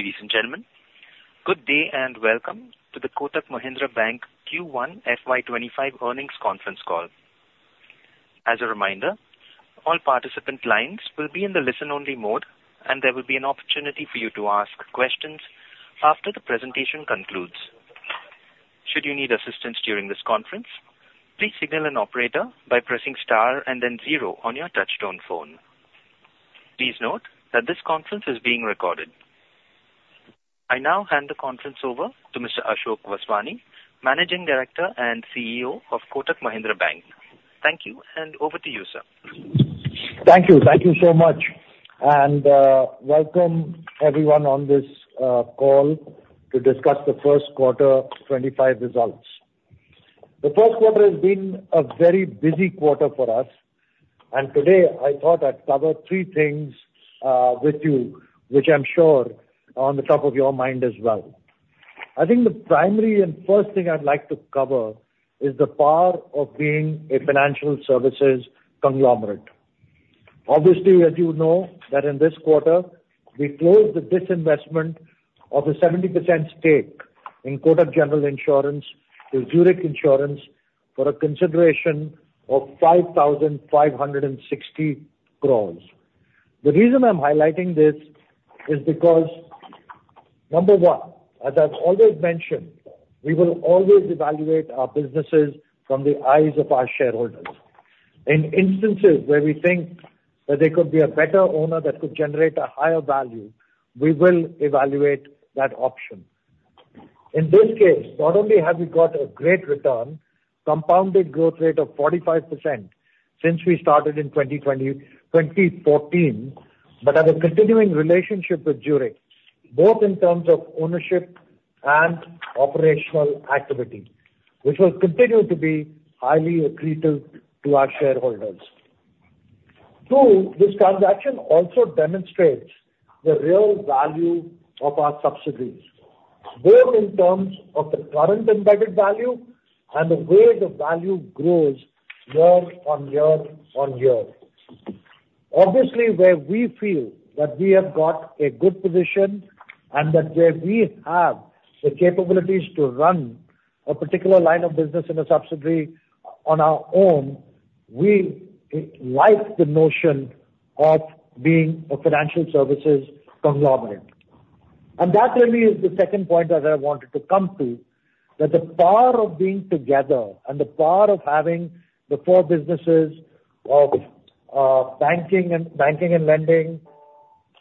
Ladies and gentlemen, good day and welcome to the Kotak Mahindra Bank Q1 FY 2025 earnings conference call. As a reminder, all participant lines will be in the listen-only mode, and there will be an opportunity for you to ask questions after the presentation concludes. Should you need assistance during this conference, please signal an operator by pressing star and then zero on your touch-tone phone. Please note that this conference is being recorded. I now hand the conference over to Mr. Ashok Vaswani, Managing Director and CEO of Kotak Mahindra Bank. Thank you, and over to you, sir. Thank you. Thank you so much, and welcome everyone on this call to discuss the first quarter 2025 results. The first quarter has been a very busy quarter for us, and today I thought I'd cover three things with you, which I'm sure are on the top of your mind as well. I think the primary and first thing I'd like to cover is the power of being a financial services conglomerate. Obviously, as you know, that in this quarter, we closed the disinvestment of a 70% stake in Kotak General Insurance to Zurich Insurance for a consideration of 5,560 crores. The reason I'm highlighting this is because, number one, as I've always mentioned, we will always evaluate our businesses from the eyes of our shareholders. In instances where we think that there could be a better owner that could generate a higher value, we will evaluate that option. In this case, not only have we got a great return, compounded growth rate of 45% since we started in 2014, but have a continuing relationship with Zurich, both in terms of ownership and operational activity, which will continue to be highly accretive to our shareholders. Two, this transaction also demonstrates the real value of our subsidiaries, both in terms of the current embedded value and the way the value grows year-on-year. Obviously, where we feel that we have got a good position and that where we have the capabilities to run a particular line of business in a subsidiary on our own, we like the notion of being a financial services conglomerate. And that really is the second point that I wanted to come to, that the power of being together and the power of having the four businesses of Banking and Lending,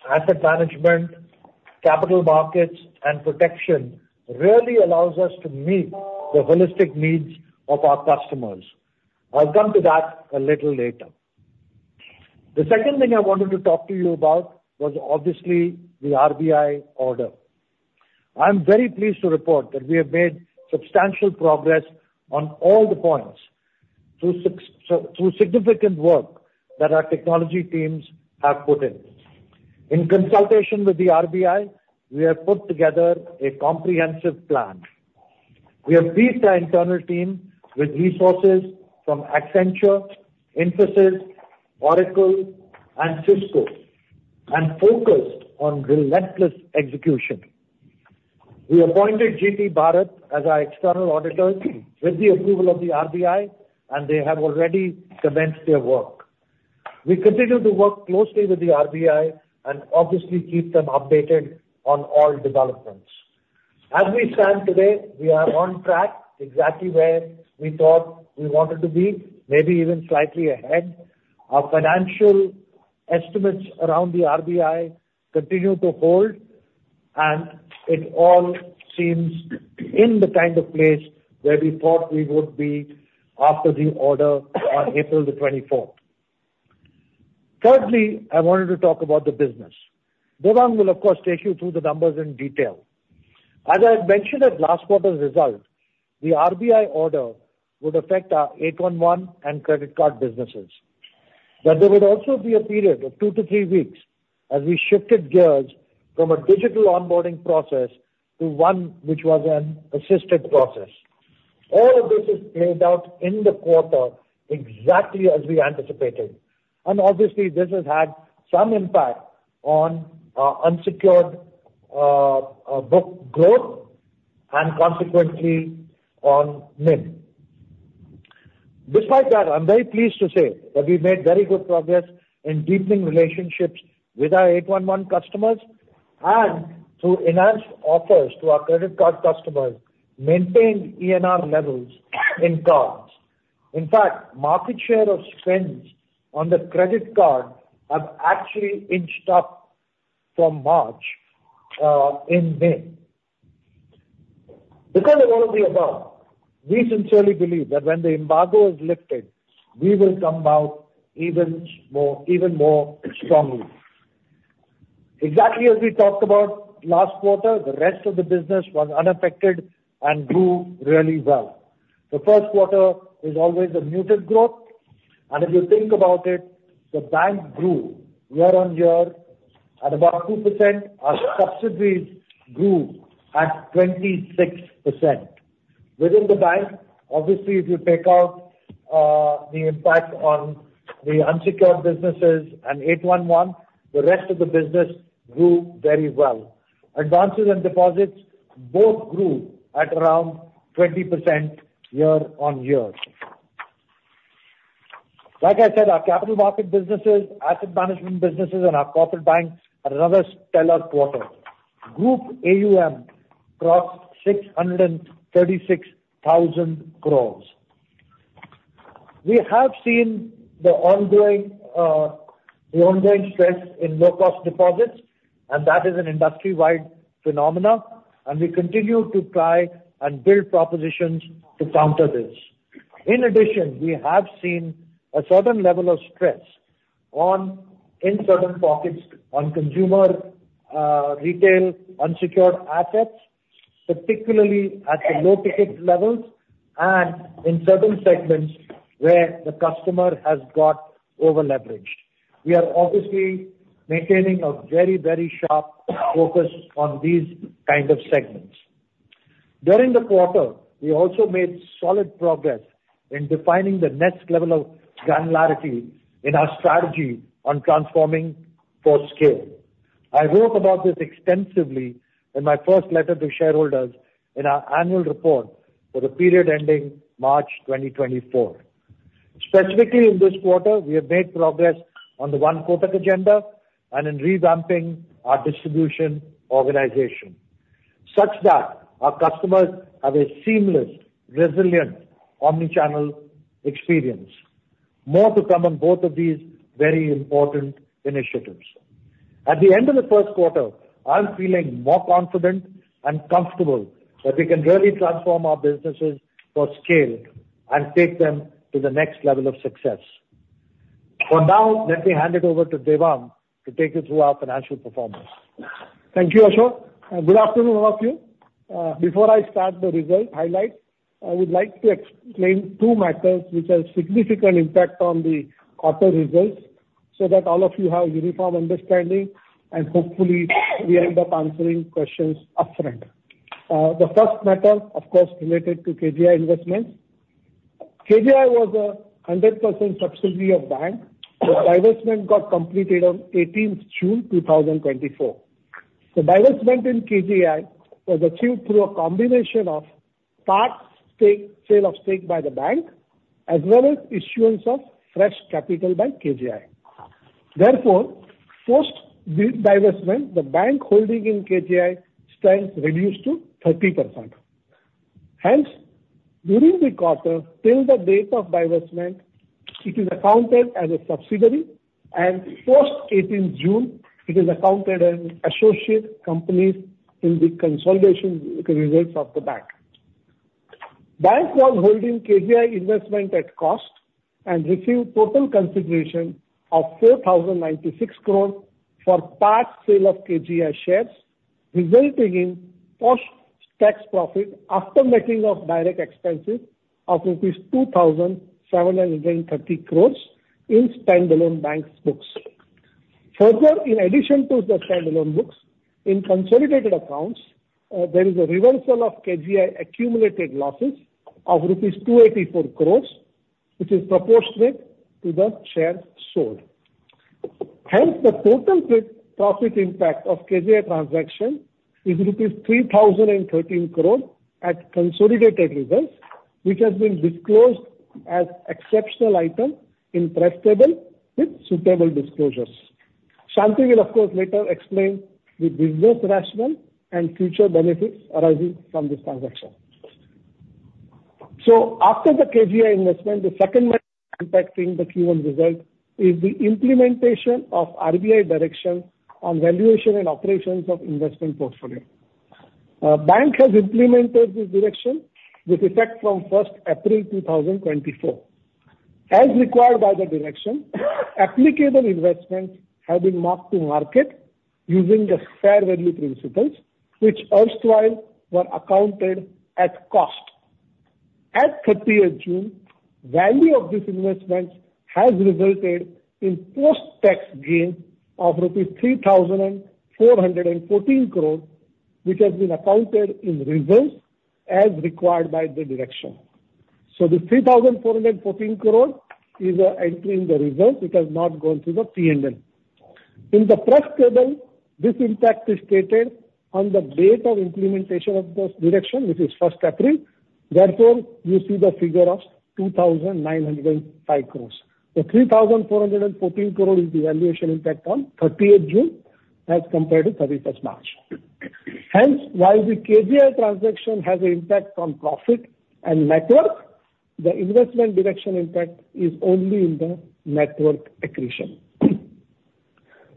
Asset Management, Capital Markets, and Protection, really allows us to meet the holistic needs of our customers. I'll come to that a little later. The second thing I wanted to talk to you about was obviously the RBI order. I'm very pleased to report that we have made substantial progress on all the points through significant work that our technology teams have put in. In consultation with the RBI, we have put together a comprehensive plan. We have beefed our internal team with resources from Accenture, Infosys, Oracle, and Cisco, and focused on relentless execution. We appointed GT Bharat as our external auditors with the approval of the RBI, and they have already commenced their work. We continue to work closely with the RBI and obviously keep them updated on all developments. As we stand today, we are on track, exactly where we thought we wanted to be, maybe even slightly ahead. Our financial estimates around the RBI continue to hold, and it all seems in the kind of place where we thought we would be after the order on April 24. Thirdly, I wanted to talk about the business. Devang will of course take you through the numbers in detail. As I mentioned at last quarter's result, the RBI order would affect our Kotak 811 and credit card businesses, that there would also be a period of two to three weeks as we shifted gears from a digital onboarding process to one which was an assisted process. All of this is played out in the quarter exactly as we anticipated, and obviously this has had some impact on, Unsecured book growth and consequently on NIM. Despite that, I'm very pleased to say that we've made very good progress in deepening relationships with our Kotak 811 customers and through enhanced offers to our credit card customers, maintained ENR levels in cards. In fact, market share of spends on the credit card have actually inched up from March, in May. Because of all of the above, we sincerely believe that when the embargo is lifted, we will come out even more, even more strongly. Exactly as we talked about last quarter, the rest of the business was unaffected and grew really well. The first quarter is always a muted growth, and if you think about it, the bank grew year-on-year at about 2%, our subsidiaries grew at 26%. Within the bank, obviously, if you take out the impact on the Unsecured businesses and Kotak 811, the rest of the business grew very well. Advances and deposits both grew at around 20% year-on-year. Like I said, our Capital Market businesses, Asset Management businesses, and our Corporate Bank had another stellar quarter. Group AUM crossed 636,000 crore. We have seen the ongoing, the ongoing stress in low-cost deposits, and that is an industry-wide phenomena, and we continue to try and build propositions to counter this. In addition, we have seen a certain level of stress on, in certain pockets on Consumer, Retail Unsecured assets, particularly at the low-ticket levels and in certain segments where the customer has got overleveraged. We are obviously maintaining a very, very sharp focus on these kind of segments. During the quarter, we also made solid progress in defining the next level of granularity in our strategy on transforming for scale. I wrote about this extensively in my first letter to shareholders in our annual report for the period ending March 2024. Specifically, in this quarter, we have made progress on the One Kotak agenda and in revamping our distribution organization, such that our customers have a seamless, resilient, omni-channel experience. More to come on both of these very important initiatives. At the end of the first quarter, I'm feeling more confident and comfortable that we can really transform our businesses for scale and take them to the next level of success. For now, let me hand it over to Devang to take you through our financial performance. Thank you, Ashok, and good afternoon, all of you. Before I start the result highlight, I would like to explain two matters which have significant impact on the quarter results, so that all of you have uniform understanding, and hopefully we end up answering questions upfront. The first matter, of course, related to KGI. KGI was a 100% subsidiary of bank. The divestment got completed on 18th June 2024. The divestment in KGI was achieved through a combination of part stake, sale of stake by the bank, as well as issuance of fresh capital by KGI. Therefore, post divestment, the bank holding in KGI stands reduced to 30%. Hence, during the quarter, till the date of divestment, it is accounted as a subsidiary, and post 18th June, it is accounted as associate companies in the consolidation results of the bank. Bank was holding KGI investment at cost and received total consideration of 4,096 crore for part sale of KGI shares, resulting in post-tax profit after netting of direct expenses of 2,730 crores rupees in standalone bank's books. Further, in addition to the standalone books, in consolidated accounts, there is a reversal of KGI accumulated losses of rupees 284 crores, which is proportionate to the shares sold. Hence, the total pre profit impact of KGI transaction is rupees 3,013 crore at consolidated results, which has been disclosed as exceptional item in press table with suitable disclosures. Shanti will, of course, later explain the business rationale and future benefits arising from this transaction. So after the KGI investment, the second one impacting the Q1 result is the implementation of RBI direction on valuation and operations of investment portfolio. Bank has implemented this direction with effect from first April 2024. As required by the direction, applicable investments have been marked to market using the fair value principles, which erstwhile were accounted at cost. At 30th June, value of these investments has resulted in post-tax gain of INR 3,414 crore, which has been accounted in results as required by the direction. So the 3,414 crore is entering the results, which has not gone through the P&L. In the press table, this impact is stated on the date of implementation of this direction, which is 1st April, therefore, you see the figure of 2,905 crores. The 3,414 crore is the valuation impact on 30 th June as compared to 31st March. Hence, while the KGI transaction has an impact on profit and net worth, the investment direction impact is only in the net worth accretion.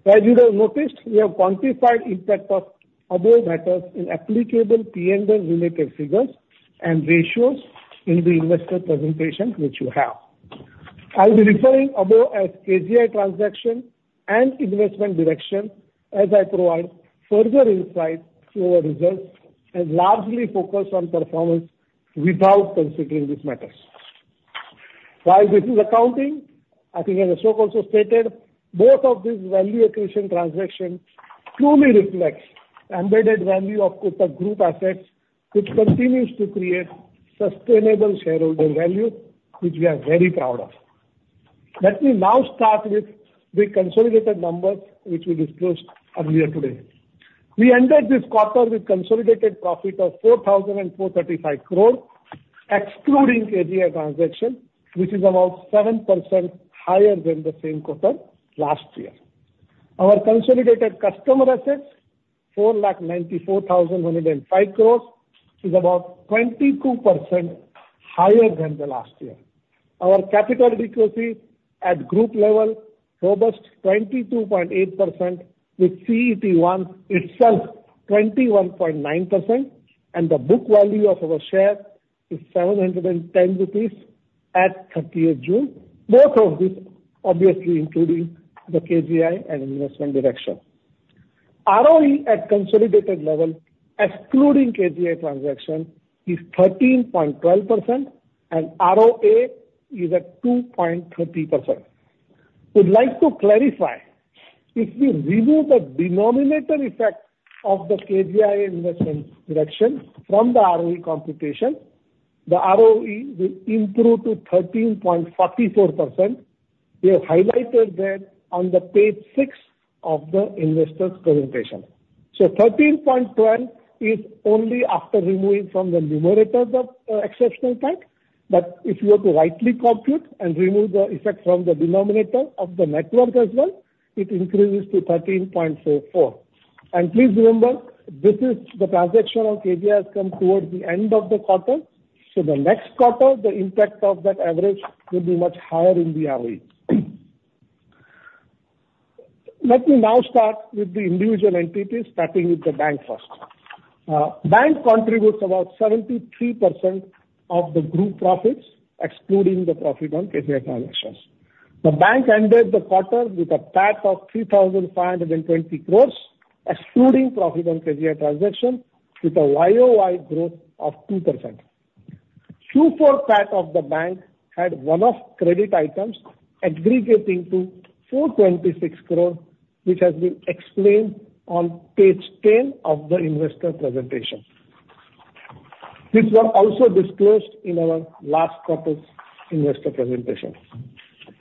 As you have noticed, we have quantified impact of above matters in applicable P&L related figures and ratios in the investor presentation, which you have. I'll be referring above as KGI transaction and investment direction as I provide further insight to our results and largely focus on performance without considering these matters. While this is accounting, I think as Ashok also stated, both of these value accretion transactions truly reflects the embedded value of Kotak group assets, which continues to create sustainable shareholder value, which we are very proud of. Let me now start with the consolidated numbers, which we disclosed earlier today. We ended this quarter with consolidated profit of 4,435 crore, excluding KGI transaction, which is about 7% higher than the same quarter last year. Our consolidated customer assets, 4,94,105 crore, is about 22% higher than the last year. Our capital adequacy at group level, robust 22.8%, with CET1 itself 21.9%, and the book value of our share is 710 rupees at 30th June, both of which obviously including the KGI and investment direction. ROE at consolidated level, excluding KGI transaction, is 13.12% and ROA is at 2.30%. We'd like to clarify, if we remove the denominator effect of the KGI investment direction from the ROE computation, the ROE will improve to 13.44%. We have highlighted that on page six of the investor's presentation. So 13.12% is only after removing from the numerator, the exceptional type, but if you were to rightly compute and remove the effect from the denominator of the net worth as well, it increases to 13.04%. And please remember, this is the transaction of KGI has come towards the end of the quarter, so the next quarter, the impact of that average will be much higher in the ROE. Let me now start with the individual entities, starting with the bank first. Bank contributes about 73% of the group profits, excluding the profit on KGI transactions. The bank ended the quarter with a PAT of 3,520 crores, excluding profit on KGI transaction, with a YoY growth of 2%. Q4 PAT of the bank had one-off credit items aggregating to 426 crore, which has been explained on page 10 of the investor presentation. This was also disclosed in our last quarter's investor presentation.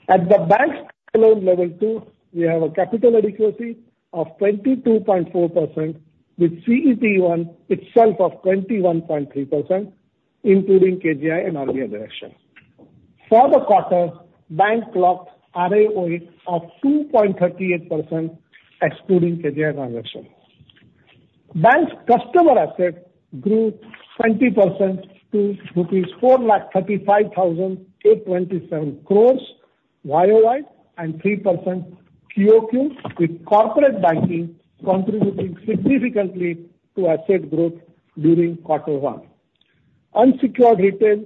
At the bank's loan level, too, we have a capital adequacy of 22.4%, with CET1 itself of 21.3%, including KGI and RBI direction. For the quarter, bank's ROA of 2.38%, excluding KGI transaction. Bank's customer assets grew 20% to rupees 435,827 crore YoY, and 3% QoQ, with corporate banking contributing significantly to asset growth during quarter one. Unsecured retail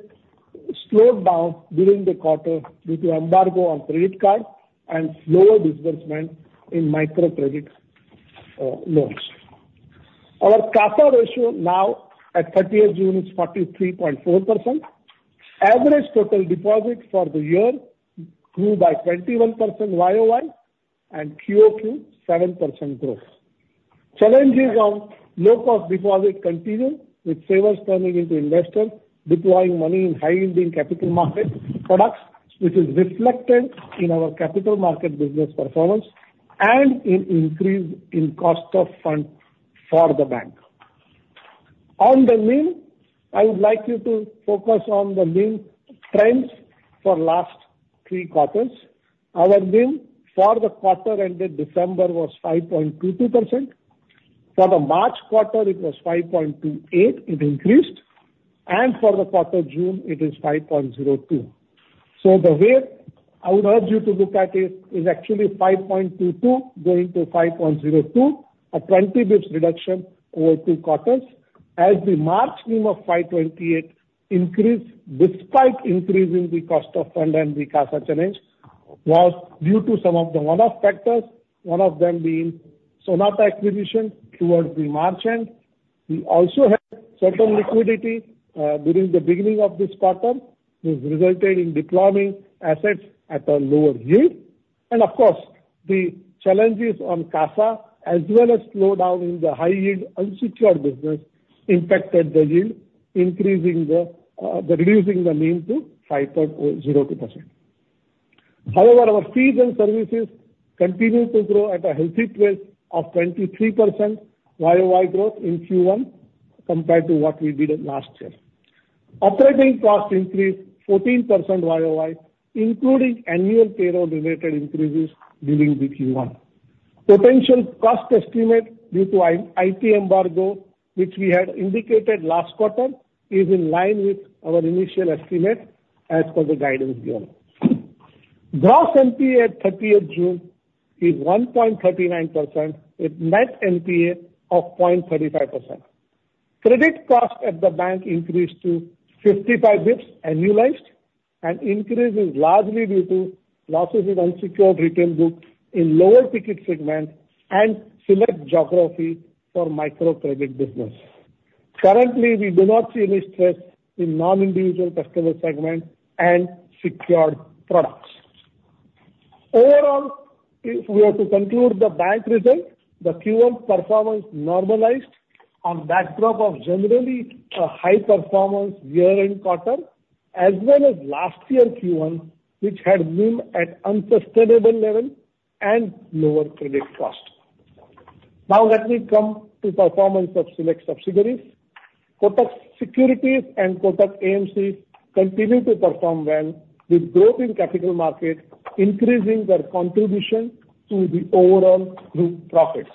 slowed down during the quarter due to embargo on credit card and lower disbursement in microcredit loans. Our CASA ratio now at 30th June is 43.4%. Average total deposits for the year grew by 21% year-over-year, and quarter-over-quarter, 7% growth. Challenges on low-cost deposits continue, with savers turning into investors, deploying money in high-yielding capital market products, which is reflected in our Capital Market business performance and in increase in cost of funds for the bank. On the NIM, I would like you to focus on the NIM trends for last three quarters. Our NIM for the quarter ended December was 5.22%. For the March quarter, it was 5.28%, it increased, and for the quarter June, it is 5.02%. So the way I would urge you to look at it is actually 5.22% going to 5.02%, a 20 basis points reduction over two quarters, as the March NIM of 5.8% increased, despite increase in the cost of fund and the CASA challenge, was due to some of the one-off factors, one of them being Sonata acquisition towards the March end. We also had certain liquidity during the beginning of this quarter, which resulted in deploying assets at a lower yield. And of course, the challenges on CASA, as well as slowdown in the high-yield Unsecured business, impacted the yield, increasing the, the reducing the NIM to 5.02%. However, our fees and services continued to grow at a healthy pace of 23% YoY growth in Q1 compared to what we did last year. Operating costs increased 14% YoY, including annual payroll-related increases during the Q1. Potential cost estimate due to IT embargo, which we had indicated last quarter, is in line with our initial estimate as per the guidance given. Gross NPA at 30th June is 1.39%, with net NPA of 0.35%. Credit cost at the bank increased to 55 basis points annualized, and increase is largely due to losses in unsecured retail books in lower ticket segment and select geography for Microcredit business. Currently, we do not see any stress in non-individual customer segment and secured products. Overall, if we are to conclude the bank results, the Q1 performance normalized on backdrop of generally a high performance year-end quarter, as well as last year Q1, which had been at unsustainable level and lower credit cost. Now let me come to performance of select subsidiaries. Kotak Securities and Kotak AMC continue to perform well, with growth in capital markets increasing their contribution to the overall group profits.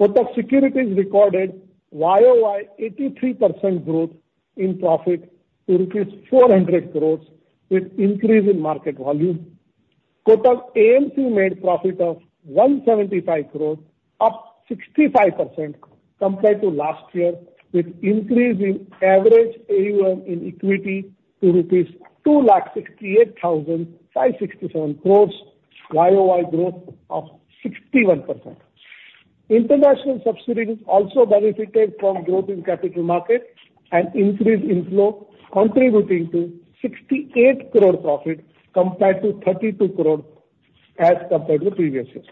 Kotak Securities recorded YoY 83% growth in profit, to rupees 400 crore, with increase in market volume. Kotak AMC made profit of 175 crore, up 65% compared to last year, with increase in average AUM in equity to rupees 268,567 crore, YoY growth of 61%. International subsidiaries also benefited from growth in capital markets and increase in flow, contributing to 68 crore profit compared to 32 crore as compared to previous year.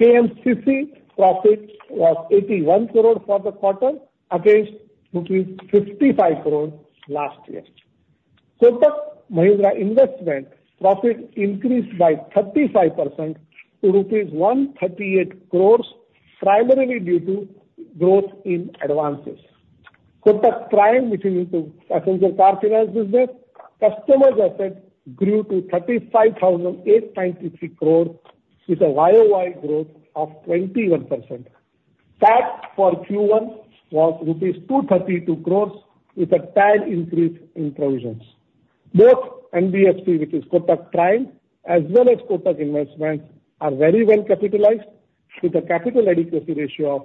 KMCC profit was 81 crore for the quarter, against rupees 55 crore last year. Kotak Mahindra Investments profit increased by 35% to rupees 138 crore, primarily due to growth in advances. Kotak Prime, which is into Passenger Car Finance business, customers asset grew to 35,893 crore with a YoY growth of 21%. PAT for Q1 was INR 232 crore, with a tad increase in provisions. Both NBFC, which is Kotak Prime, as well as Kotak Investments, are very well capitalized, with a capital adequacy ratio of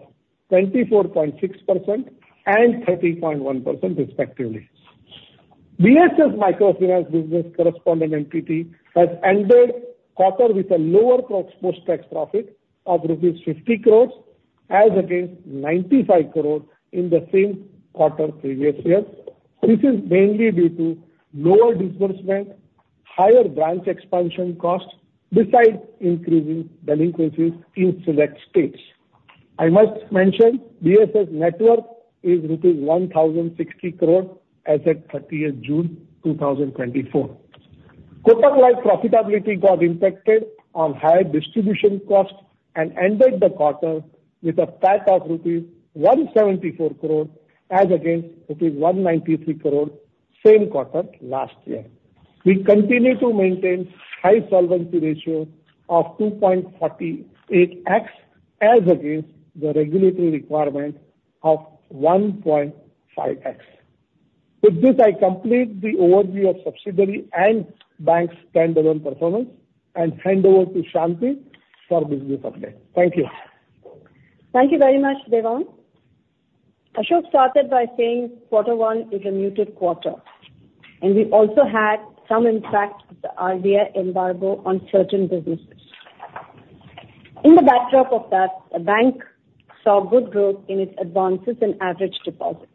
24.6% and 30.1% respectively. BSS Microfinance Business Correspondent entity has ended quarter with a lower post-tax profit of rupees 50 crore, as against 95 crore rupees in the same quarter previous year. This is mainly due to lower disbursement, higher branch expansion costs, besides increasing delinquencies in select states. I must mention, BSS net worth is rupees 1,060 crore as at 30th June, 2024. Kotak Life profitability got impacted on higher distribution costs and ended the quarter with a PAT of rupees 174 crore, as against rupees 193 crore same quarter last year. We continue to maintain high solvency ratio of 2.48x, as against the regulatory requirement of 1.5x. With this, I complete the overview of subsidiary and bank's stand-alone performance, and hand over to Shanti for business update. Thank you. Thank you very much, Devang. I should have started by saying quarter one is a muted quarter, and we also had some impact of the RBI Embargo on certain businesses. In the backdrop of that, the bank saw good growth in its advances and average deposits.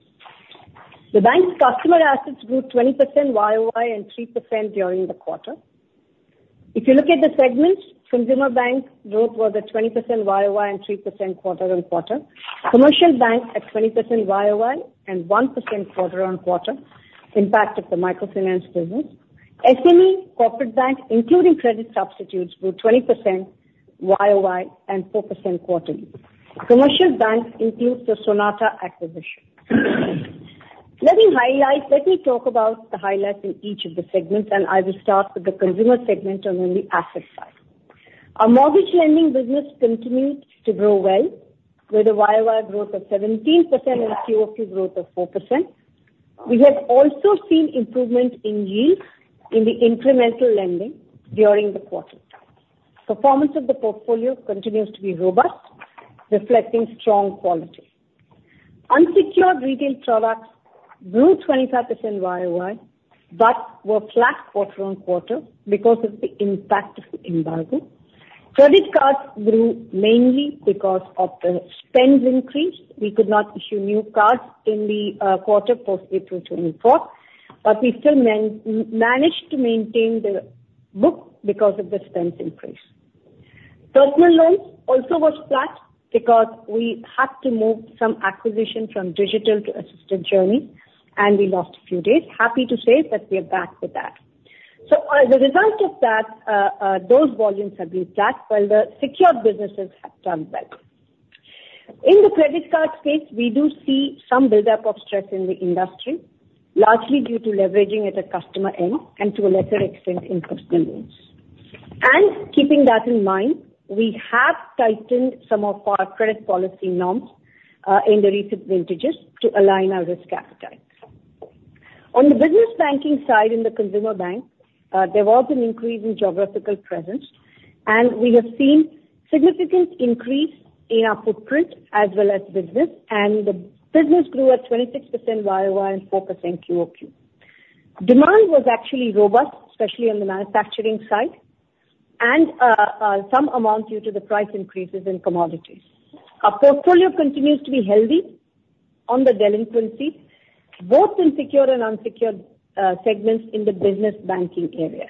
The bank's customer assets grew 20% YoY and 3% during the quarter. If you look at the segments, Consumer Bank growth was at 20% YoY and 3% quarter-on-quarter. Commercial Bank at 20% YoY and 1% quarter-on-quarter, impact of the Microfinance business. SME, Corporate Bank, including credit substitutes, grew 20% YoY and 4% quarterly. Commercial Bank includes the Sonata acquisition. Let me talk about the highlights in each of the segments, and I will start with the Consumer segment and on the asset side. Our Mortgage Lending business continues to grow well, with a YoY growth of 17% and QoQ growth of 4%. We have also seen improvement in yield in the incremental lending during the quarter. Performance of the portfolio continues to be robust, reflecting strong quality. Unsecured retail products grew 25% YoY, but were flat quarter on quarter because of the impact of the embargo. Credit cards grew mainly because of the spends increase. We could not issue new cards in the quarter post April 24th, but we still managed to maintain the book because of the spends increase. Personal Loans also was flat because we had to move some acquisition from digital to assisted journey, and we lost a few days. Happy to say that we are back with that. So as a result of that, those volumes have been flat, while the secured businesses have done well. In the credit card space, we do see some buildup of stress in the industry, largely due to leveraging at the customer end and to a lesser extent in Personal Loans. And keeping that in mind, we have tightened some of our credit policy norms, in the recent vintages to align our risk appetite. On the Business Banking side, in the Consumer Bank, there was an increase in geographical presence, and we have seen significant increase in our footprint as well as business, and the business grew at 26% YoY and 4% QoQ. Demand was actually robust, especially on the manufacturing side and some amount due to the price increases in commodities. Our portfolio continues to be healthy on the delinquencies, both in secured and unsecured segments in the Business Banking area,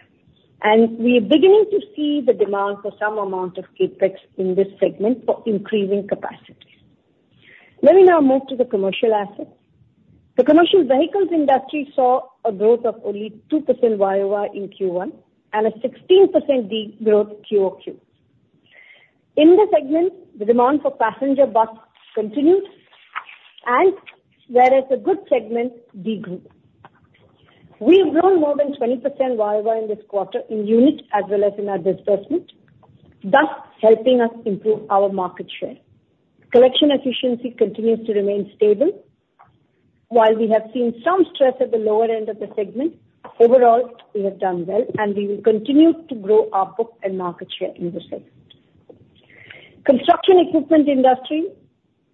and we are beginning to see the demand for some amount of CapEx in this segment for increasing capacity. Let me now move to the Commercial Assets. The Commercial Vehicles industry saw a growth of only 2% YoY in Q1, and a 16% de-growth QoQ. In this segment, the demand for passenger bus continued, and whereas a good segment de-grew. We have grown more than 20% YoY in this quarter in unit as well as in our disbursement, thus helping us improve our market share. Collection efficiency continues to remain stable. While we have seen some stress at the lower end of the segment, overall we have done well, and we will continue to grow our book and market share in this segment. Construction Equipment industry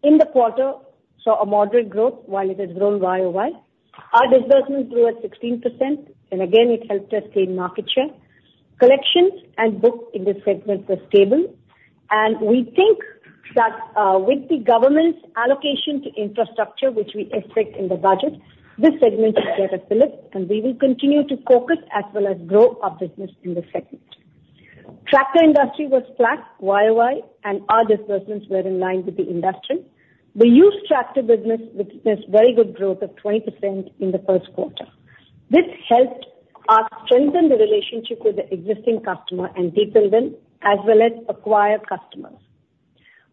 in the quarter saw a moderate growth while it has grown YoY. Our disbursements grew at 16%, and again, it helped us gain market share. Collections and books in this segment were stable, and we think that, with the government's allocation to infrastructure, which we expect in the budget, this segment is well filled, and we will continue to focus as well as grow our business in this segment. Tractor industry was flat YoY, and our disbursements were in line with the industry. The Used Tractor business witnessed very good growth of 20% in the first quarter. This helped us strengthen the relationship with the existing customer and deepen them, as well as acquire customers.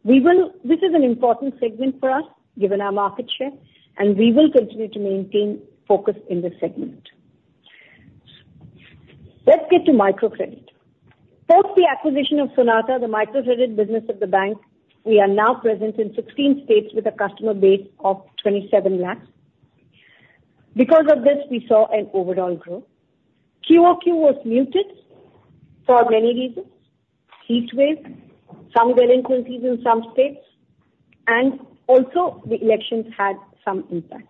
This is an important segment for us, given our market share, and we will continue to maintain focus in this segment. Let's get to Microcredit. Post the acquisition of Sonata, the Microcredit business of the bank, we are now present in 16 states with a customer base of 27 lakhs. Because of this, we saw an overall growth. QoQ was muted for many reasons: heat wave, some delinquencies in some states, and also the elections had some impact.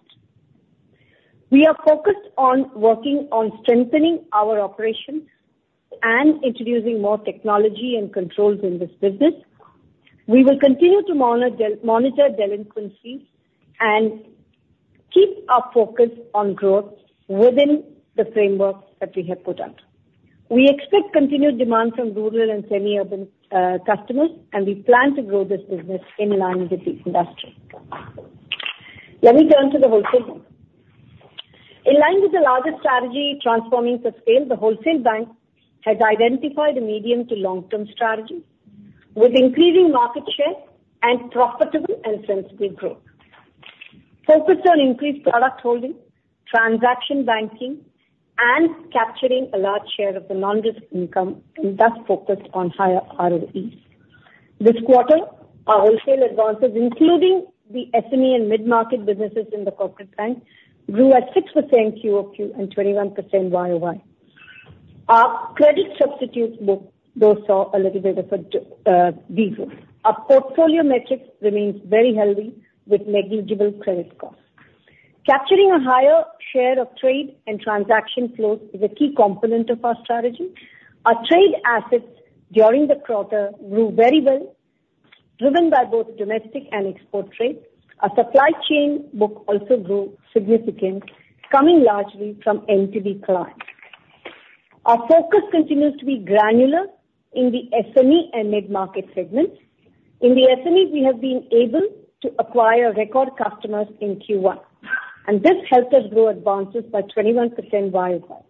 We are focused on working on strengthening our operations and introducing more technology and controls in this business. We will continue to monitor delinquencies and keep our focus on growth within the framework that we have put out. We expect continued demand from rural and semi-urban customers, and we plan to grow this business in line with the industry. Let me turn to the Wholesale Bank. In line with the larger strategy transforming for scale, the Wholesale Bank has identified a medium- to long-term strategy with increasing market share and profitable and sensible growth. Focused on increased product holding, transaction banking, and capturing a large share of the non-risk income and thus focused on higher ROEs. This quarter, our Wholesale advances, including the SME and mid-market businesses in the corporate bank, grew at 6% QoQ and 21% YoY. Our credit substitute book, though, saw a little bit of a de-growth. Our portfolio metrics remains very healthy, with negligible credit costs. Capturing a higher share of trade and transaction flows is a key component of our strategy. Our trade assets during the quarter grew very well, driven by both domestic and export trade. Our supply chain book also grew significant, coming largely from NTB clients. Our focus continues to be granular in the SME and mid-market segments. In the SME, we have been able to acquire record customers in Q1, and this helped us grow advances by 21% YoY.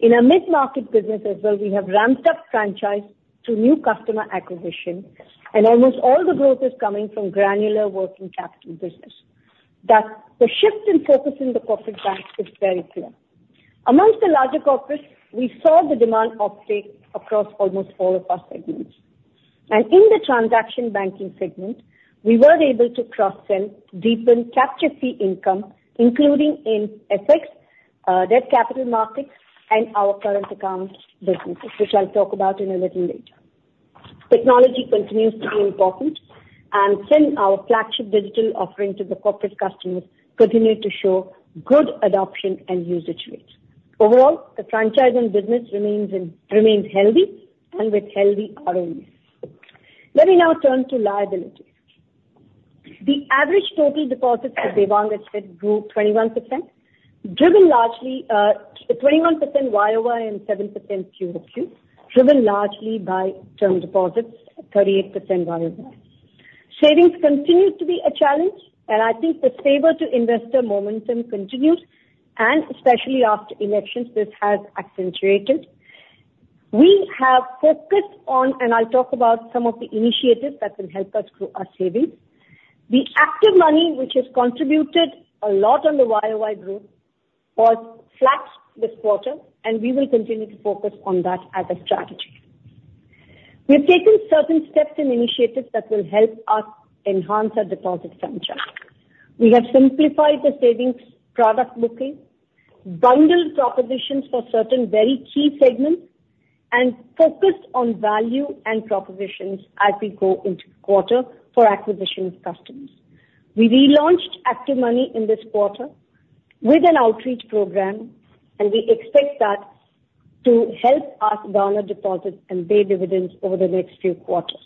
In our mid-market business as well, we have ramped up franchise through new customer acquisition, and almost all the growth is coming from granular working capital business. Thus, the shift in focus in the Corporate Bank is very clear. Among the larger corporates, we saw the demand uptake across almost all of our segments. And in the transaction banking segment, we were able to cross-sell, deepen, capture fee income, including in FX, debt capital markets, and our current account businesses, which I'll talk about in a little later. Technology continues to be important, and since our flagship digital offering to the corporate customers continue to show good adoption and usage rates. Overall, the franchise and business remains healthy and with healthy ROEs. Let me now turn to Liabilities. The average total deposits of Devang had said grew 21%, driven largely— 21% YoY and 7% QoQ, driven largely by term deposits, 38% YoY. Savings continue to be a challenge, and I think the saver to investor momentum continues, and especially after elections, this has accentuated. We have focused on, and I'll talk about some of the initiatives that will help us grow our savings. The ActivMoney, which has contributed a lot on the YoY growth, was flat this quarter, and we will continue to focus on that as a strategy. We've taken certain steps and initiatives that will help us enhance our deposit franchise. We have simplified the savings product booking, bundled propositions for certain very key segments, and focused on value and propositions as we go into the quarter for acquisition of customers. We relaunched ActivMoney in this quarter with an outreach program, and we expect that to help us garner deposits and pay dividends over the next few quarters.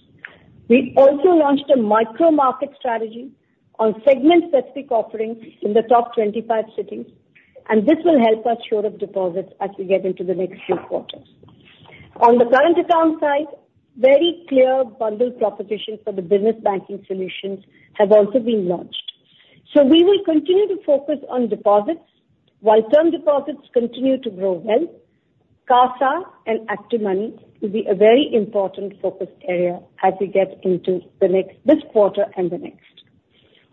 We also launched a micro-market strategy on segment-specific offerings in the top 25 cities, and this will help us shore up deposits as we get into the next few quarters. On the current account side, very clear bundled propositions for the Business Banking solutions have also been launched. So we will continue to focus on deposits. While term deposits continue to grow well, CASA and ActivMoney will be a very important focus area as we get into the next, this quarter and the next.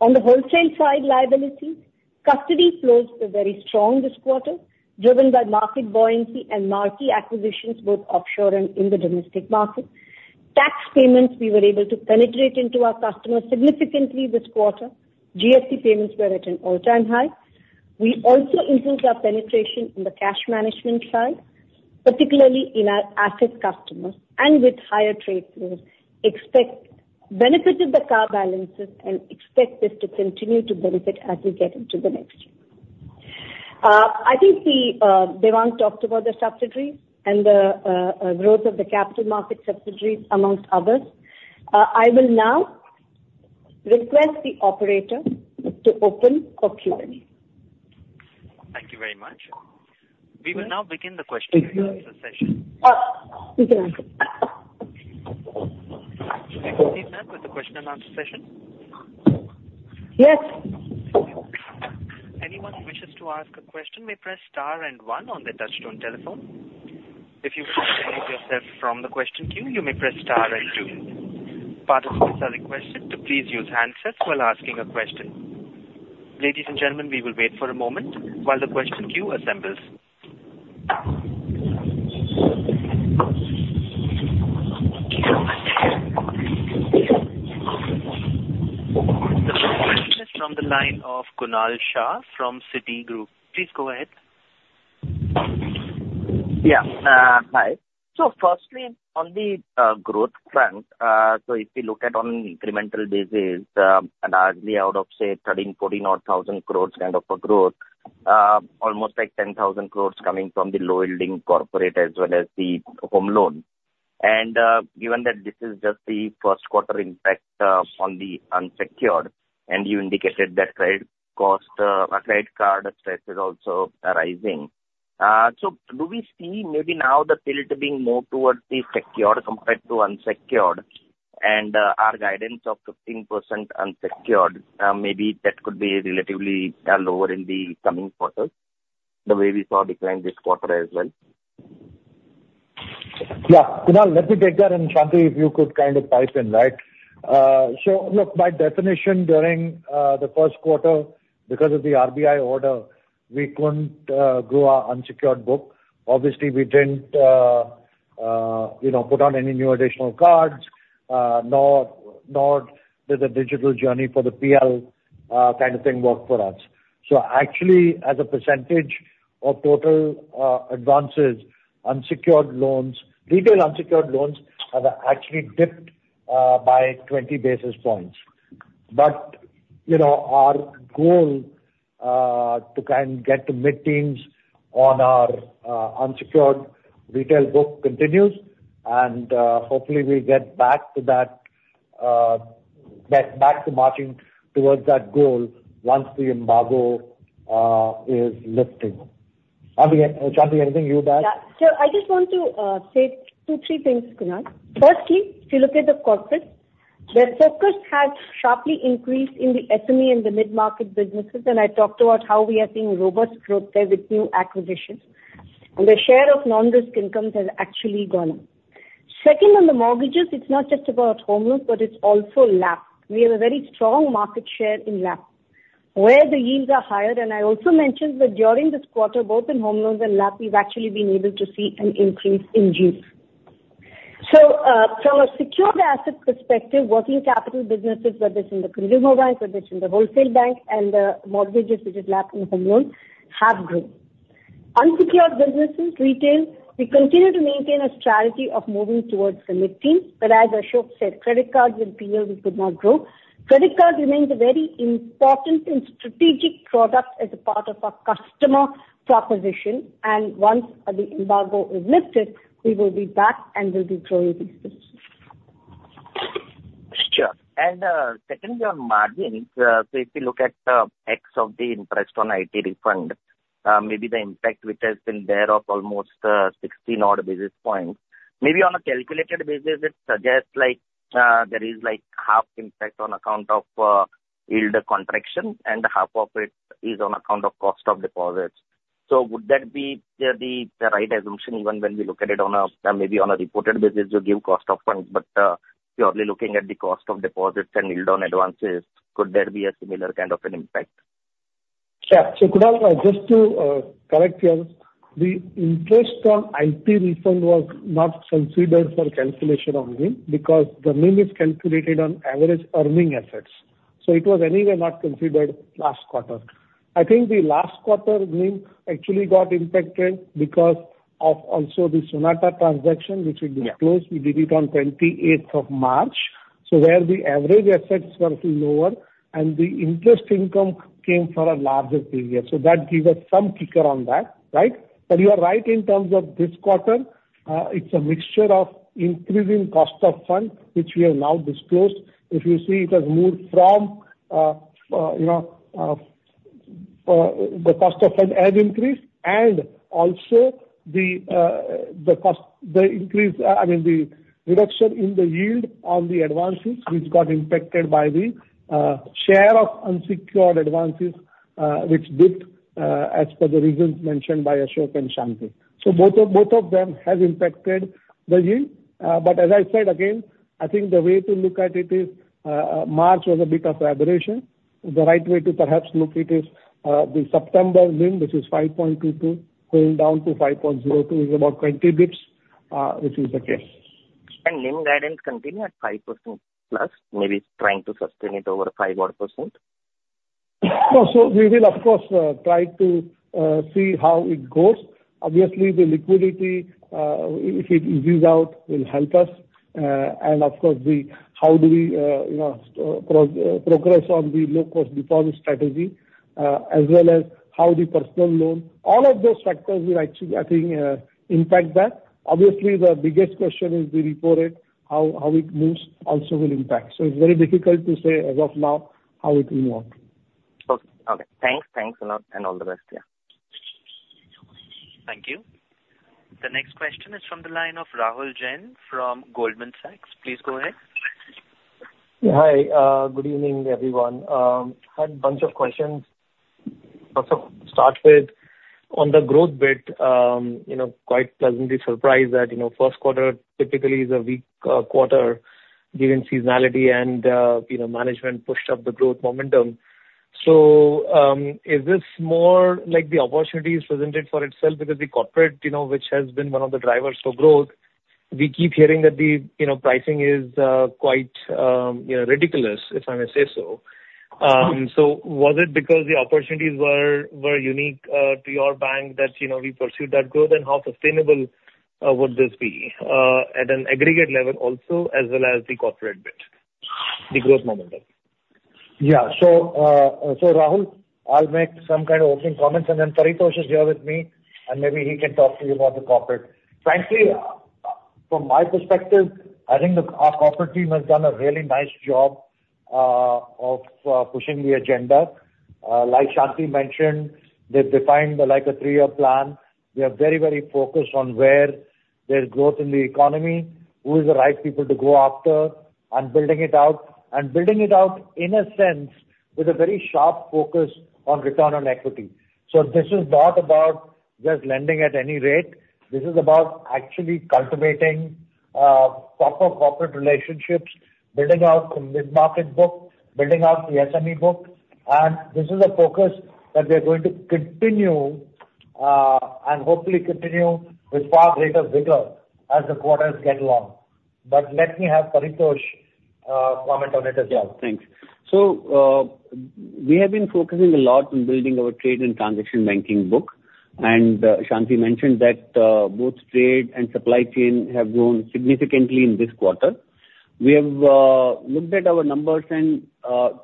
On the Wholesale side liability, custody flows were very strong this quarter, driven by market buoyancy and marquee acquisitions, both offshore and in the domestic market. Tax payments, we were able to penetrate into our customers significantly this quarter. GST payments were at an all-time high. We also improved our penetration in the cash management side, particularly in our asset customers and with higher trade flows, expect benefited the CASA balances and expect this to continue to benefit as we get into the next year. I think the Devang talked about the subsidiaries and the growth of the capital market subsidiaries, among others. I will now request the operator to open for Q&A. Thank you very much. We will now begin the question and answer session. You can. We proceed now with the question and answer session. Yes. Anyone wishes to ask a question may press star and one on their touchtone telephone. If you wish to remove yourself from the question queue, you may press star and two. Participants are requested to please use handsets while asking a question. Ladies and gentlemen, we will wait for a moment while the question queue assembles. The first question is from the line of Kunal Shah from Citigroup. Please go ahead. Yeah, hi. So firstly, on the growth front, so if you look at on incremental basis, largely out of, say, 13,000 crore-14,000 crore kind of a growth, almost like 10,000 crore coming from the low-yielding Corporate as well as the Home Loans. And, given that this is just the first quarter impact, on the unsecured, and you indicated that credit cost, or credit card stress is also rising. So do we see maybe now the tilt being more towards the secured compared to unsecured? And, our guidance of 15% unsecured, maybe that could be relatively, lower in the coming quarters, the way we saw decline this quarter as well. Yeah, Kunal, let me take that, and Shanti, if you could kind of pipe in, right? So look, by definition, during the first quarter, because of the RBI order, we couldn't grow our unsecured book. Obviously, we didn't, you know, put on any new additional cards, nor did the digital journey for the PL, kind of thing work for us. So actually, as a percentage of total advances, unsecured loans, retail unsecured Loans have actually dipped by 20 basis points. But, you know, our goal to kind of get to mid-teens on our unsecured retail book continues, and hopefully we get back to that, back to marching towards that goal once the embargo is lifted. Are we at, Shanti, anything you'd add? Yeah. So I just want to say two, three things, Kunal. Firstly, if you look at the Corporate, their focus has sharply increased in the SME and the mid-market businesses, and I talked about how we are seeing robust growth there with new acquisitions, and the share of non-risk incomes has actually gone up. Second, on the mortgages, it's not just about Home Loans, but it's also LAP. We have a very strong market share in LAP, where the yields are higher. And I also mentioned that during this quarter, both in Home Loans and LAP, we've actually been able to see an increase in use. So, from a secured asset perspective, working capital businesses, whether it's in the Consumer Bank, whether it's in the Wholesale Bank and the Mortgages, which is LAP and Home Loans, have grown. Unsecured businesses, Retail, we continue to maintain a strategy of moving towards the mid-teen, but as Ashok said, credit cards and PL, we could not grow. Credit card remains a very important and strategic product as a part of our customer proposition, and once the embargo is lifted, we will be back and we'll be growing these businesses. Sure. And, secondly, on margins, so if you look at excess of the interest on IT refund, maybe the impact which has been there of almost 16-odd basis points, maybe on a calculated basis, it suggests like there is like half impact on account of yield contraction, and half of it is on account of cost of deposits. So would that be the right assumption, even when we look at it on a maybe on a reported basis to give cost of funds, but purely looking at the cost of deposits and yield on advances, could there be a similar kind of an impact? Sure. So, Kunal, just to correct you, the interest on IT refund was not considered for calculation on NIM, because the NIM is calculated on average earning assets, so it was anyway not considered last quarter. I think the last quarter NIM actually got impacted because of also the Sonata transaction, which we disclosed. Yeah. We did it on 28th of March, so where the average effects were lower and the interest income came for a larger period. So that gives us some kicker on that, right? But you are right in terms of this quarter. It's a mixture of increasing cost of fund, which we have now disclosed. If you see, it has moved from, you know, the cost of fund has increased and also the, the cost, the increase, I mean, the reduction in the yield on the advances which got impacted by the share of unsecured advances, which dipped, as per the reasons mentioned by Ashok and Shanti. So both of them have impacted the yield. But as I said again, I think the way to look at it is, March was a bit of aberration. The right way to perhaps look it is, the September NIM, which is 5.22%, going down to 5.02%, is about 20 basis points, which is the case. NIM guidance continue at 5%, plus maybe trying to sustain it over 5-odd%? No. So we will of course, try to, see how it goes. Obviously, the liquidity, if it eases out, will help us. And of course, how do we, you know, progress on the low-cost deposit strategy, as well as how the Personal Loans. All of those factors will actually, I think, impact that. Obviously, the biggest question is the repo rate, how, how it moves also will impact. So it's very difficult to say as of now how it will work. Okay, okay. Thanks. Thanks a lot, and all the best. Yeah. Thank you. The next question is from the line of Rahul Jain from Goldman Sachs. Please go ahead. Hi, good evening, everyone. Had a bunch of questions. First off, start with on the growth bit, you know, quite pleasantly surprised that, you know, first quarter typically is a weak quarter given seasonality and, you know, management pushed up the growth momentum. So, is this more like the opportunities presented for itself? Because the Corporate, you know, which has been one of the drivers for growth, we keep hearing that the, you know, pricing is quite, you know, ridiculous, if I may say so. So was it because the opportunities were unique to your bank that, you know, we pursued that growth? And how sustainable would this be at an aggregate level also, as well as the Corporate bit, the growth momentum? Yeah. So, so Rahul, I'll make some kind of opening comments, and then Paritosh is here with me, and maybe he can talk to you about the Corporate. Frankly, from my perspective, I think the, our Corporate team has done a really nice job, of pushing the agenda. Like Shanti mentioned, they've defined like a three-year plan. We are very, very focused on where there's growth in the economy, who is the right people to go after, and building it out. And building it out, in a sense, with a very sharp focus on return on equity. So this is not about just lending at any rate. This is about actually cultivating, proper corporate relationships, building out the mid-market book, building out the SME book, and this is a focus that we are going to continue, and hopefully continue with far greater vigor as the quarters get along. But let me have Paritosh, comment on it as well. Yeah, thanks. So, we have been focusing a lot on building our trade and transaction banking book, and Shanti mentioned that both trade and supply chain have grown significantly in this quarter. We have looked at our numbers, and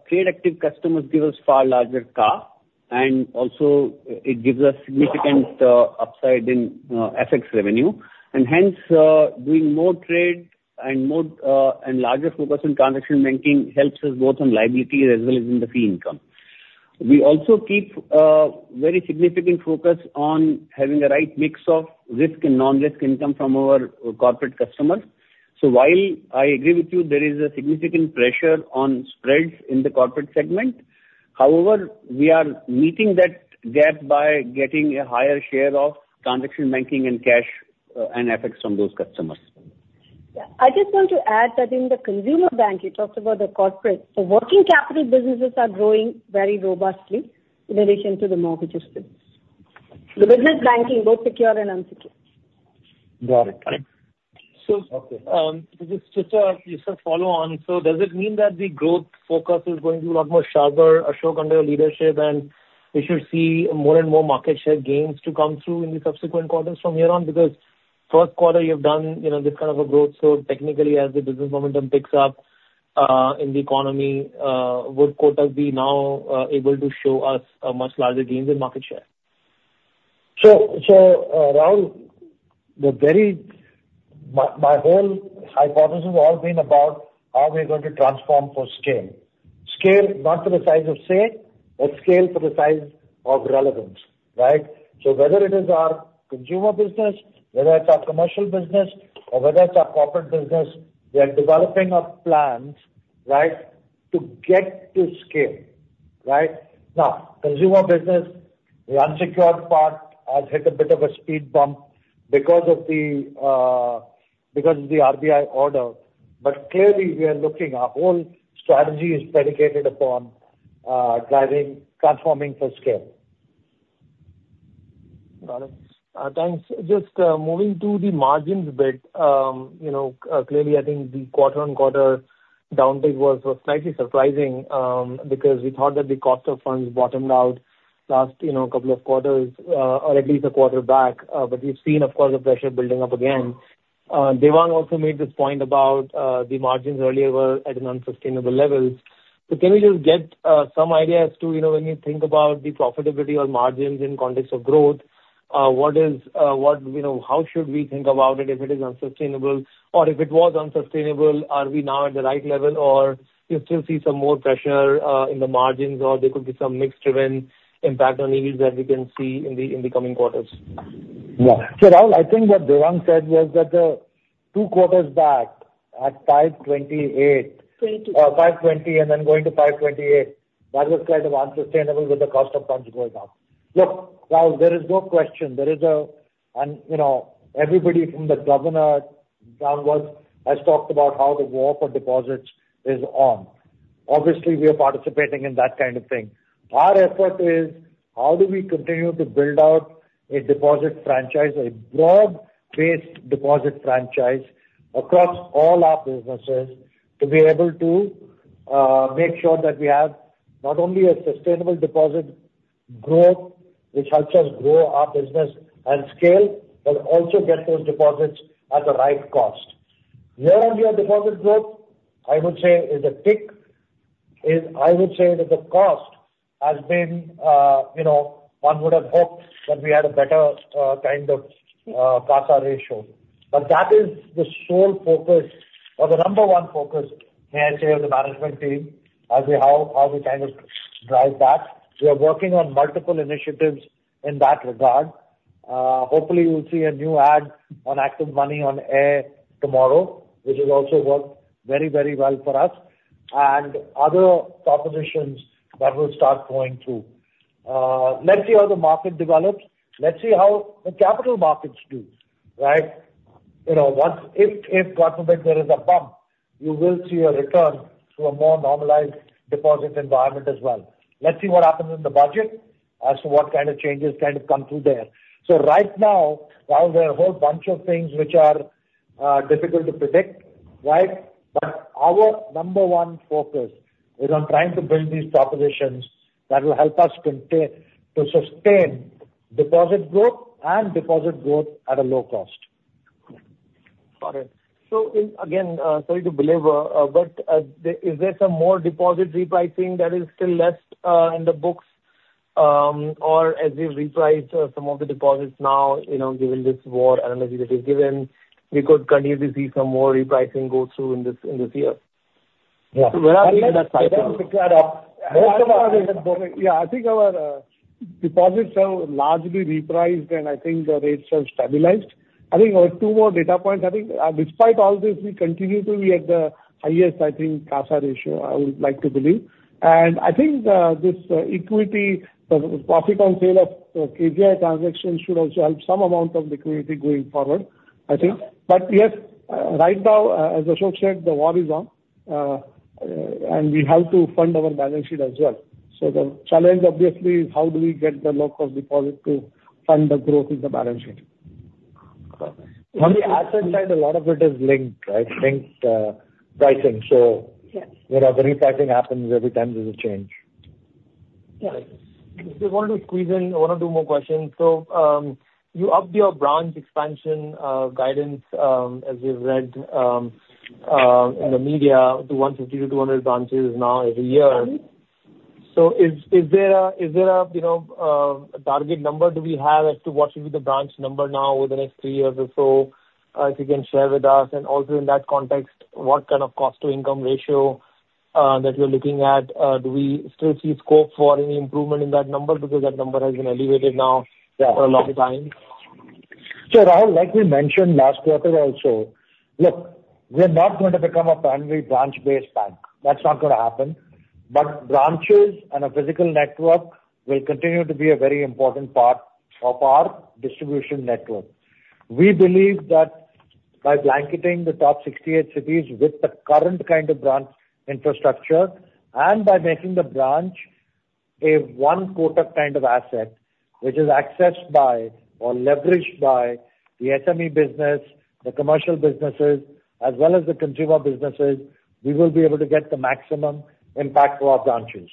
trade active customers give us far larger CA, and also it gives us significant upside in FX revenue. And hence, doing more trade and more and larger focus on transaction banking helps us both on liabilities as well as in the fee income. We also keep very significant focus on having the right mix of risk and non-risk income from our corporate customers. So while I agree with you, there is a significant pressure on spreads in the Corporate segment, however, we are meeting that gap by getting a higher share of transaction banking and cash, and FX from those customers. Yeah. I just want to add that in the Consumer Bank, you talked about the Corporate. So working capital businesses are growing very robustly in addition to the Mortgages business. The Business Banking, both secured and unsecured. Got it. So, just a follow on: So does it mean that the growth focus is going to be a lot more sharper, Ashok, under your leadership, and we should see more and more market share gains to come through in the subsequent quarters from here on? Because first quarter you've done, you know, this kind of a growth. So technically, as the business momentum picks up in the economy, would Kotak be now able to show us a much larger gains in market share? Rahul, my whole hypothesis has all been about how we are going to transform for scale. Scale, not for the size of say, but scale for the size of relevance, right? So whether it is our Consumer business, whether it's our Commercial business or whether it's our Corporate business, we are developing our plans, right, to get to scale, right? Now, Consumer business, the unsecured part has hit a bit of a speed bump because of the RBI order. But clearly, we are looking, our whole strategy is dedicated upon driving, transforming for scale. Got it. Thanks. Just moving to the margins a bit, you know, clearly, I think the quarter-on-quarter downtick was slightly surprising, because we thought that the cost of funds bottomed out last couple of quarters, or at least a quarter back. But we've seen, of course, the pressure building up again. Devang also made this point about the margins earlier were at an unsustainable level. So can we just get some idea as to, you know, when you think about the profitability or margins in context of growth, what is, what, you know, how should we think about it if it is unsustainable? Or if it was unsustainable, are we now at the right level, or you still see some more pressure, in the margins or there could be some mix-driven impact on yields that we can see in the, in the coming quarters? Yeah. So, Rahul, I think what Devang said was that two quarters back, at 5.28% 5.20% 5.20% and then going to 5.28%, that was kind of unsustainable with the cost of funds going up. Look, Rahul, there is no question, there is a, and, you know, everybody from the governor downwards has talked about how the war for deposits is on. Obviously, we are participating in that kind of thing. Our effort is, how do we continue to build out a deposit franchise, a broad-based deposit franchise, across all our businesses, to be able to make sure that we have not only a sustainable deposit growth, which helps us grow our business and scale, but also get those deposits at the right cost. Year-on-year deposit growth, I would say, is a tick. Is, I would say that the cost has been, you know, one would have hoped that we had a better kind of CASA ratio. But that is the sole focus or the number one focus, may I say, as a management team, as we, how we kind of drive that. We are working on multiple initiatives in that regard. Hopefully you'll see a new ad on ActivMoney on air tomorrow, which has also worked very, very well for us, and other propositions that will start going through. Let's see how the market develops. Let's see how the capital markets do, right? You know, once, if God forbid, there is a bump, you will see a return to a more normalized deposit environment as well. Let's see what happens in the budget as to what kind of changes kind of come through there. So right now, while there are a whole bunch of things which are difficult to predict, right? Our number one focus is on trying to build these propositions that will help us contain, to sustain deposit growth and deposit growth at a low cost. Got it. So, again, sorry to belabor, but is there some more deposit repricing that is still left in the books? Or as we've repriced some of the deposits now, you know, given this war analogy that is given, we could continue to see some more repricing go through in this year? Yeah. Where are we in that cycle? Let me pick that up. Yeah, I think our deposits are largely repriced, and I think the rates have stabilized. I think our two more data points, I think, despite all this, we continue to be at the highest, I think, CASA ratio, I would like to believe. I think this equity profit on sale of KGI transactions should also help some amount of liquidity going forward, I think. Yeah. But yes, right now, as Ashok said, the war is on, and we have to fund our balance sheet as well. So the challenge obviously is how do we get the low-cost deposit to fund the growth in the balance sheet? On the asset side, a lot of it is linked, right? Linked, pricing. So- Yes. Whenever repricing happens, every time there's a change. Yes. Just want to squeeze in one or two more questions. So, you upped your branch expansion guidance, as we've read in the media, to 150-200 branches now every year. So, is there a target number do we have as to what should be the branch number now over the next three years or so, if you can share with us? And also in that context, what kind of cost to income ratio that you're looking at? Do we still see scope for any improvement in that number? Because that number has been elevated now for a long time. So, Rahul, like we mentioned last quarter also, look, we're not going to become a primary branch-based bank. That's not gonna happen. But branches and a physical network will continue to be a very important part of our distribution network. We believe that by blanketing the top 68 cities with the current kind of branch infrastructure, and by making the branch a One Kotak kind of asset, which is accessed by or leveraged by the SME business, the Commercial businesses, as well as the Consumer businesses, we will be able to get the maximum impact for our branches.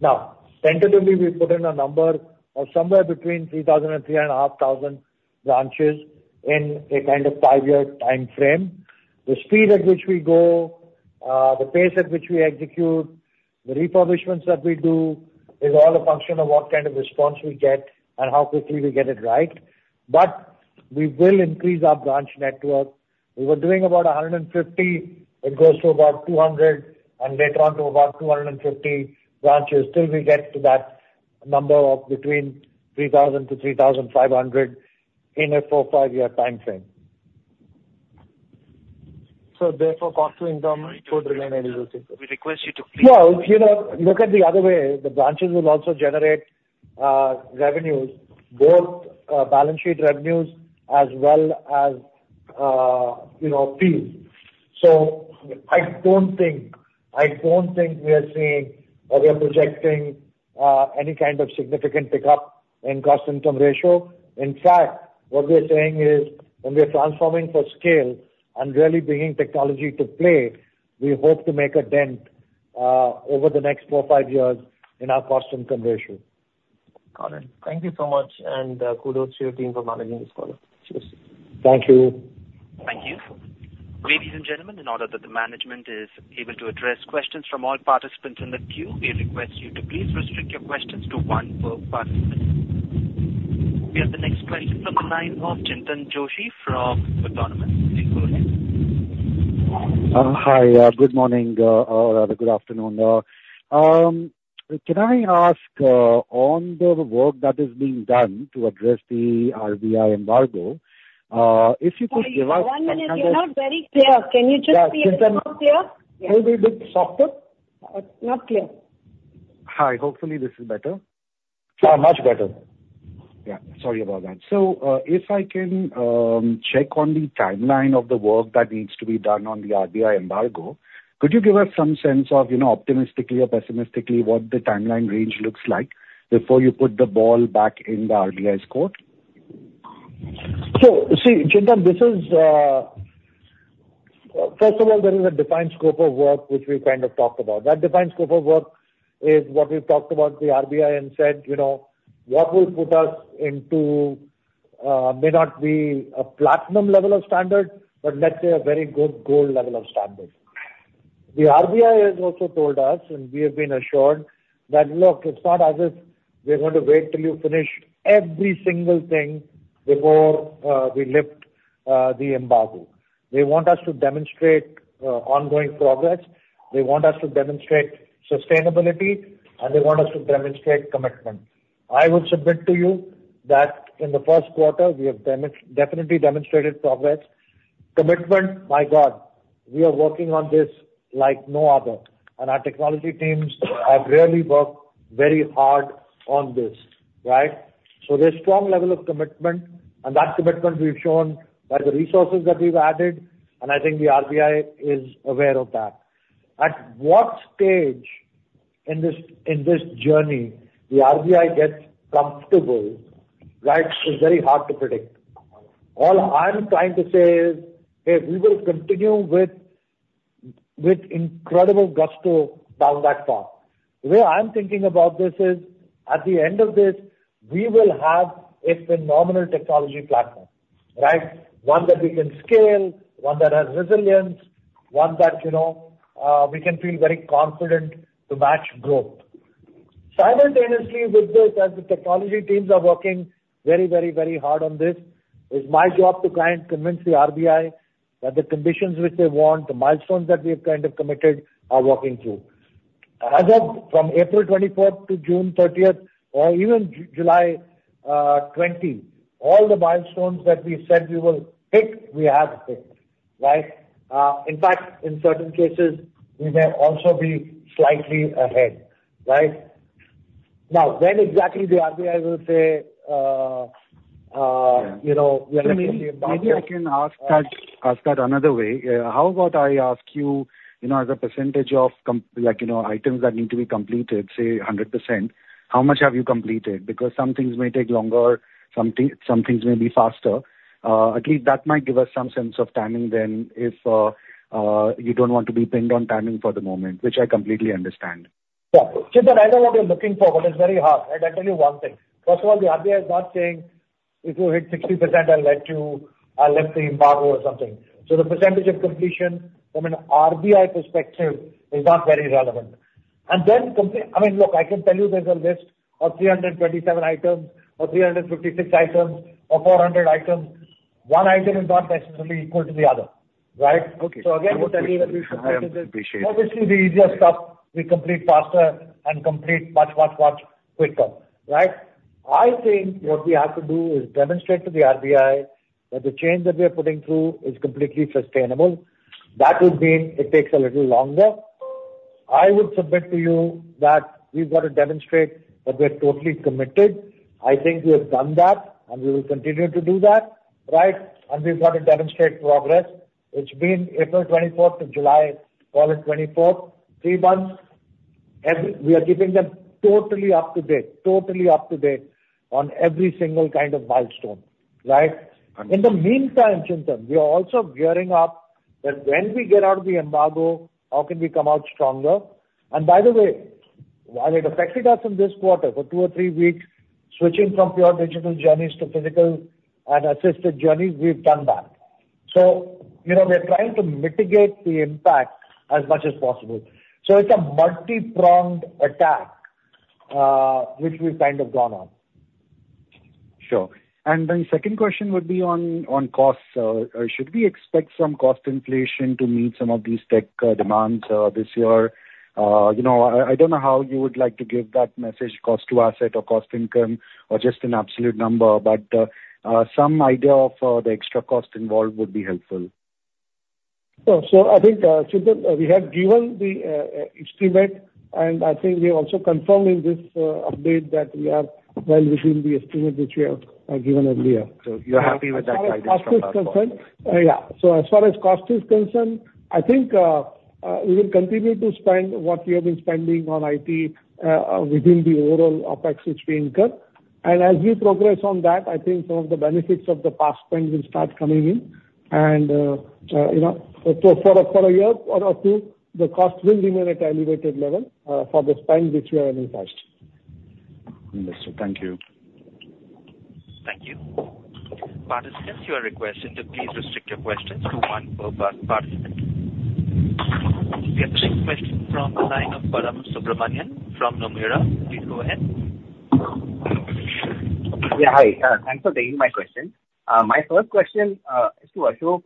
Now, tentatively, we put in a number of somewhere between 3,000 and 3,500 branches in a kind of five-year timeframe. The speed at which we go, the pace at which we execute, the refurbishments that we do, is all a function of what kind of response we get and how quickly we get it right. But we will increase our branch network. We were doing about 150, it goes to about 200, and later on to about 250 branches, till we get to that number of between 3,000 to 3,500 in a four- to five-year timeframe. So therefore, cost to income would remain elusive? No, if you know, look at the other way, the branches will also generate revenues, both balance sheet revenues as well as, you know, fees. So I don't think, I don't think we are seeing or we are projecting any kind of significant pickup in cost-income ratio. In fact, what we are saying is, when we are transforming for scale and really bringing technology to play, we hope to make a dent over the next four to five years in our cost-income ratio. Got it. Thank you so much, and, kudos to your team for managing this quarter. Cheers. Thank you. Thank you. Ladies and gentlemen, in order that the management is able to address questions from all participants in the queue, we request you to please restrict your questions to one per participant. We have the next question from the line of Chintan Joshi from Autonomous. Please go ahead. Hi, good morning, or rather, good afternoon. Can I ask on the work that is being done to address the RBI Embargo, if you could give us- One minute, you're not very clear. Can you just be a little clear? Yeah. Can we be softer? Not clear. Hi. Hopefully, this is better. Yeah, much better. Yeah, sorry about that. So, if I can check on the timeline of the work that needs to be done on the RBI Embargo, could you give us some sense of, you know, optimistically or pessimistically, what the timeline range looks like before you put the ball back in the RBI's court? So see, Chintan, this is. First of all, there is a defined scope of work, which we've kind of talked about. That defined scope of work is what we've talked about the RBI and said, you know, what will put us into, may not be a platinum level of standard, but let's say a very good gold level of standard. The RBI has also told us, and we have been assured, that, "Look, it's not as if we're going to wait till you finish every single thing before we lift the embargo." They want us to demonstrate ongoing progress, they want us to demonstrate sustainability, and they want us to demonstrate commitment. I would submit to you that in the first quarter, we have definitely demonstrated progress. Commitment, my God, we are working on this like no other, and our technology teams have really worked very hard on this, right? So there's strong level of commitment, and that commitment we've shown by the resources that we've added, and I think the RBI is aware of that. At what stage in this, in this journey, the RBI gets comfortable, right, is very hard to predict. All I'm trying to say is, hey, we will continue with, with incredible gusto down that path. The way I'm thinking about this is, at the end of this, we will have a phenomenal technology platform, right? One that we can scale, one that has resilience, one that, you know, we can feel very confident to match growth. Simultaneously with this, as the technology teams are working very, very, very hard on this, it's my job to try and convince the RBI that the conditions which they want, the milestones that we have kind of committed, are walking through. As of from April 24th to June 30th, or even July 20th, all the milestones that we said we will hit, we have hit, right? In fact, in certain cases, we may also be slightly ahead, right? Now, when exactly the RBI will say, you know, we are- Maybe, maybe I can ask that, ask that another way. How about I ask you, you know, as a percentage of like, you know, items that need to be completed, say, 100%, how much have you completed? Because some things may take longer, some things may be faster. At least that might give us some sense of timing then, if you don't want to be pinned on timing for the moment, which I completely understand. Yeah. Chintan, I know what you're looking for, but it's very hard. And I tell you one thing: First of all, the RBI is not saying, "If you hit 60%, I'll let you, I'll lift the embargo," or something. So the percentage of completion from an RBI perspective is not very relevant. And then complete—I mean, look, I can tell you there's a list of 327 items or 356 items or 400 items. One item is not necessarily equal to the other, right? Okay. So again, I would tell you that- I appreciate. Obviously, the easier stuff we complete faster and complete much, much, much quicker, right? I think what we have to do is demonstrate to the RBI that the change that we are putting through is completely sustainable. That would mean it takes a little longer. I would submit to you that we've got to demonstrate that we're totally committed. I think we have done that, and we will continue to do that, right? And we've got to demonstrate progress, which means April 24th to July, call it, 24th, three months. We are keeping them totally up to date, totally up to date on every single kind of milestone, right? Understood. In the meantime, Chintan, we are also gearing up that when we get out of the embargo, how can we come out stronger? And by the way, while it affected us in this quarter for two or three weeks, switching from pure digital journeys to physical and assisted journeys, we've done that. So you know, we are trying to mitigate the impact as much as possible. So it's a multipronged attack, which we've kind of gone on. Sure. And then second question would be on costs. Should we expect some cost inflation to meet some of these tech demands this year? You know, I don't know how you would like to give that message, cost to asset or cost income or just an absolute number, but some idea of the extra cost involved would be helpful. So I think, Chintan, we have given the estimate, and I think we have also confirmed in this update that we are well within the estimate which we have given earlier. So you're happy with that guidance from last quarter? Yeah. So as far as cost is concerned, I think, we will continue to spend what we have been spending on IT, within the overall OpEx which we incur. And as we progress on that, I think some of the benefits of the past spend will start coming in. And, you know, so for a year or two, the costs will remain at an elevated level, for the spend which we have emphasized. Understood. Thank you. Thank you. Participants, you are requested to please restrict your questions to one per participant. We have the next question from the line of Param Subramanian from Nomura. Please go ahead. Yeah, hi. Thanks for taking my question. My first question is to Ashok.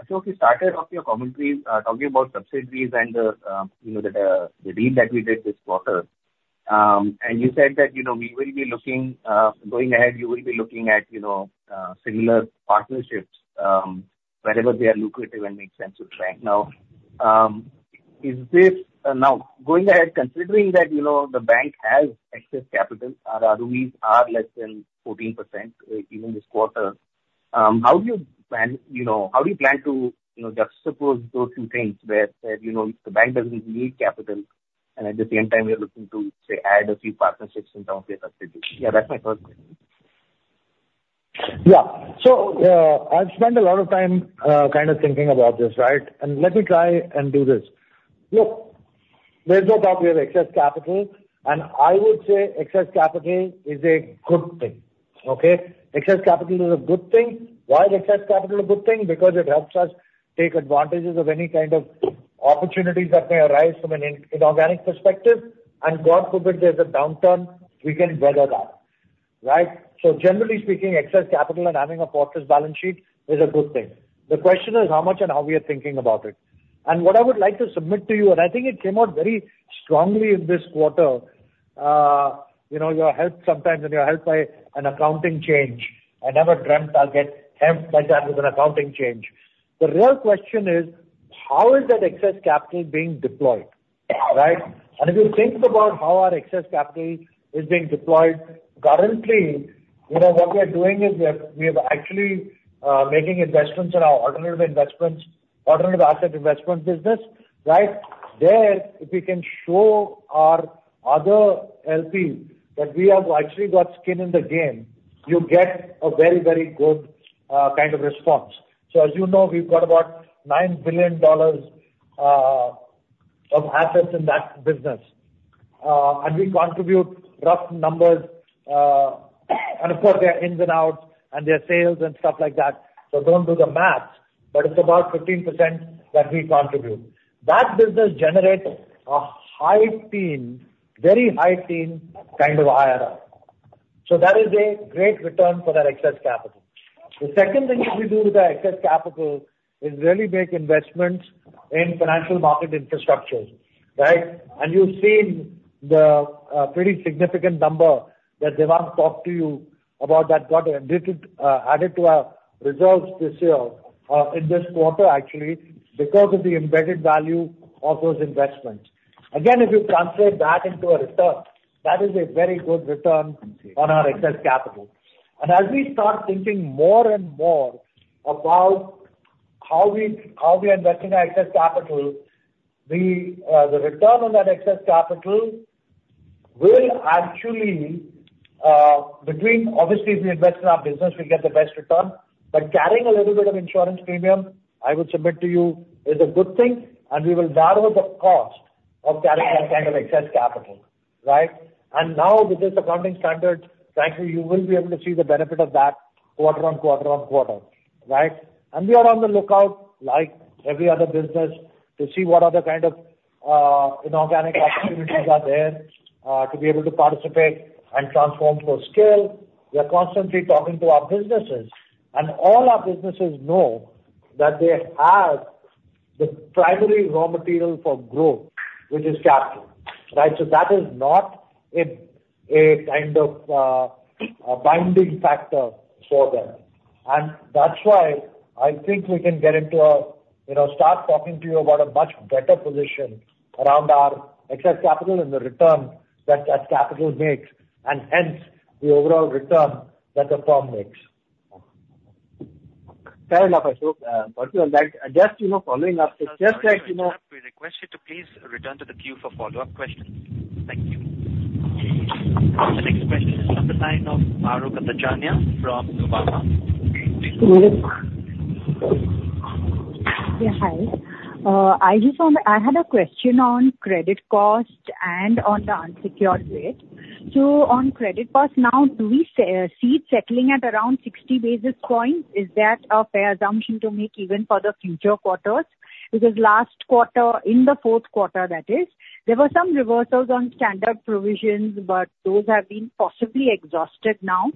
Ashok, you started off your commentary talking about subsidiaries and you know, the deal that we did this quarter. And you said that, you know, we will be looking—Going ahead, you will be looking at, you know, similar partnerships wherever they are lucrative and make sense to the bank. Now, is this now, going ahead, considering that, you know, the bank has excess capital, our ROEs are less than 14% even this quarter, how do you plan, you know, how do you plan to, you know, juxtapose those two things where, you know, the bank doesn't need capital, and at the same time, we are looking to, say, add a few partnerships in terms of the substitutes? Yeah, that's my first question. Yeah. So, I've spent a lot of time, kind of thinking about this, right? And let me try and do this. Look, there's no doubt we have excess capital, and I would say excess capital is a good thing, okay? Excess capital is a good thing. Why is excess capital a good thing? Because it helps us take advantages of any kind of opportunities that may arise from an inorganic perspective, and God forbid there's a downturn, we can weather that, right? So generally speaking, excess capital and having a fortress balance sheet is a good thing. The question is how much and how we are thinking about it. And what I would like to submit to you, and I think it came out very strongly in this quarter, you know, you are helped sometimes and you're helped by an accounting change. I never dreamt I'll get helped by that with an accounting change. The real question is: How is that excess capital being deployed, right? And if you think about how our excess capital is being deployed currently, you know, what we are doing is we are actually making investments in our alternative investments, alternative asset investment business, right? There, if you can show our other LPs that we have actually got skin in the game, you get a very, very good kind of response. So as you know, we've got about $9 billion of assets in that business. And we contribute rough numbers, and of course, there are ins and outs and there are sales and stuff like that, so don't do the math, but it's about 15% that we contribute. That business generates a high teen, very high teen kind of IRR. So that is a great return for that excess capital. The second thing that we do with the excess capital is really make investments in financial market infrastructures, right? And you've seen the pretty significant number that Devang talked to you about that got added, added to our results this year, in this quarter, actually, because of the embedded value of those investments. Again, if you translate that into a return, that is a very good return on our excess capital. And as we start thinking more and more about how we, how we are investing our excess capital, we, the return on that excess capital will actually, between... Obviously, if we invest in our business, we'll get the best return. But carrying a little bit of insurance premium, I would submit to you, is a good thing, and we will borrow the cost of carrying that kind of excess capital, right? And now with this accounting standard, frankly, you will be able to see the benefit of that quarter on quarter on quarter, right? And we are on the lookout, like every other business, to see what other kind of inorganic opportunities are there, to be able to participate and transform for scale. We are constantly talking to our businesses, and all our businesses know that they have the primary raw material for growth, which is capital, right? So that is not a kind of, a binding factor for them. That's why I think we can get into a, you know, start talking to you about a much better position around our excess capital and the return that that capital makes, and hence, the overall return that the firm makes. Fair enough, Ashok, but we would like just, you know, following up, just like, you know- We request you to please return to the queue for follow-up questions. Thank you. The next question is on the line of Mahrukh Adajania from Nuvama. Please go ahead. Yeah, hi. I just want, I had a question on credit cost and on the unsecured debt. So on credit cost, now, do we see it settling at around 60 basis points? Is that a fair assumption to make even for the future quarters? Because last quarter, in the fourth quarter, that is, there were some reversals on standard provisions, but those have been possibly exhausted now.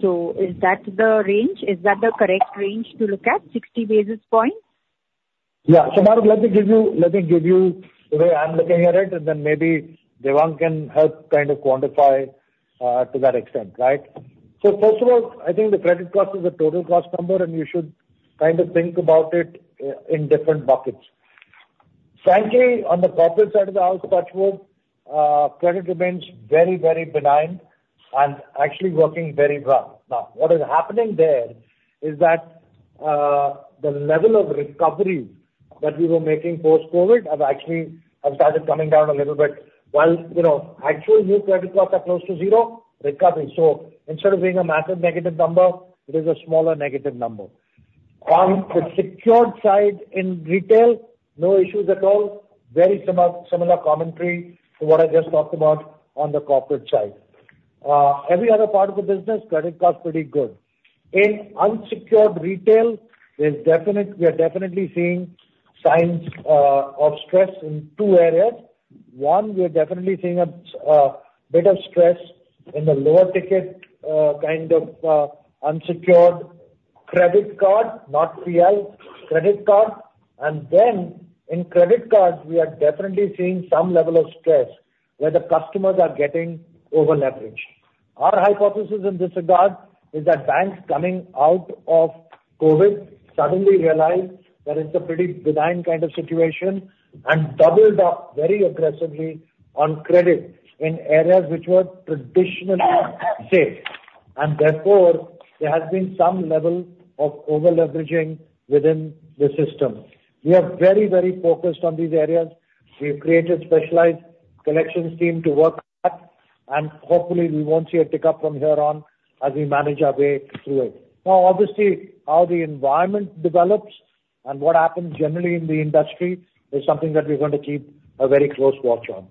So is that the range? Is that the correct range to look at, 60 basis points? Yeah. So Mahrukh, let me give you, let me give you the way I'm looking at it, and then maybe Devang can help kind of quantify to that extent, right? So first of all, I think the credit cost is a total cost number, and you should kind of think about it in different buckets. Frankly, on the corporate side of the house, touch wood, credit remains very, very benign and actually working very well. Now, what is happening there is that the level of recovery that we were making post-COVID have actually have started coming down a little bit, while, you know, actual new credit costs are close to zero recovery. So instead of being a massive negative number, it is a smaller negative number. On the secured side in Retail, no issues at all. Very similar, similar commentary to what I just talked about on the corporate side. Every other part of the business, credit cost pretty good. In unsecured retail, there's definitely. We are definitely seeing signs of stress in two areas. One, we are definitely seeing a bit of stress in the lower ticket kind of unsecured credit card, not PL, credit card. And then in credit card, we are definitely seeing some level of stress, where the customers are getting overleveraged. Our hypothesis in this regard is that banks coming out of COVID suddenly realized that it's a pretty benign kind of situation and doubled up very aggressively on credit in areas which were traditionally safe, and therefore, there has been some level of over-leveraging within the system. We are very, very focused on these areas. We've created specialized collections team to work that, and hopefully, we won't see a tick-up from here on, as we manage our way through it. Now, obviously, how the environment develops and what happens generally in the industry is something that we're going to keep a very close watch on.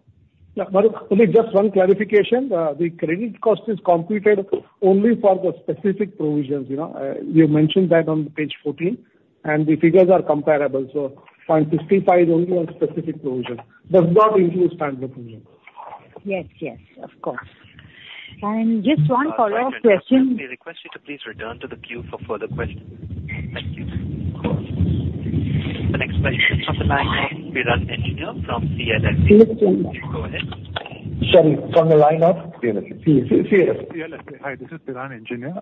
Yeah, but only just one clarification, the credit cost is computed only for the specific provisions, you know? You mentioned that on page 14, and the figures are comparable. So 0.65% is only on specific provisions, does not include standard provisions. Yes, yes, of course. And just one follow-up question- I request you to please return to the queue for further questions. Thank you. The next question is from the line of Piran Engineer from CLSA. Go ahead. Sorry, from the line of? CLSA. C-C-CLSA. CLSA, hi, this is Piran Engineer.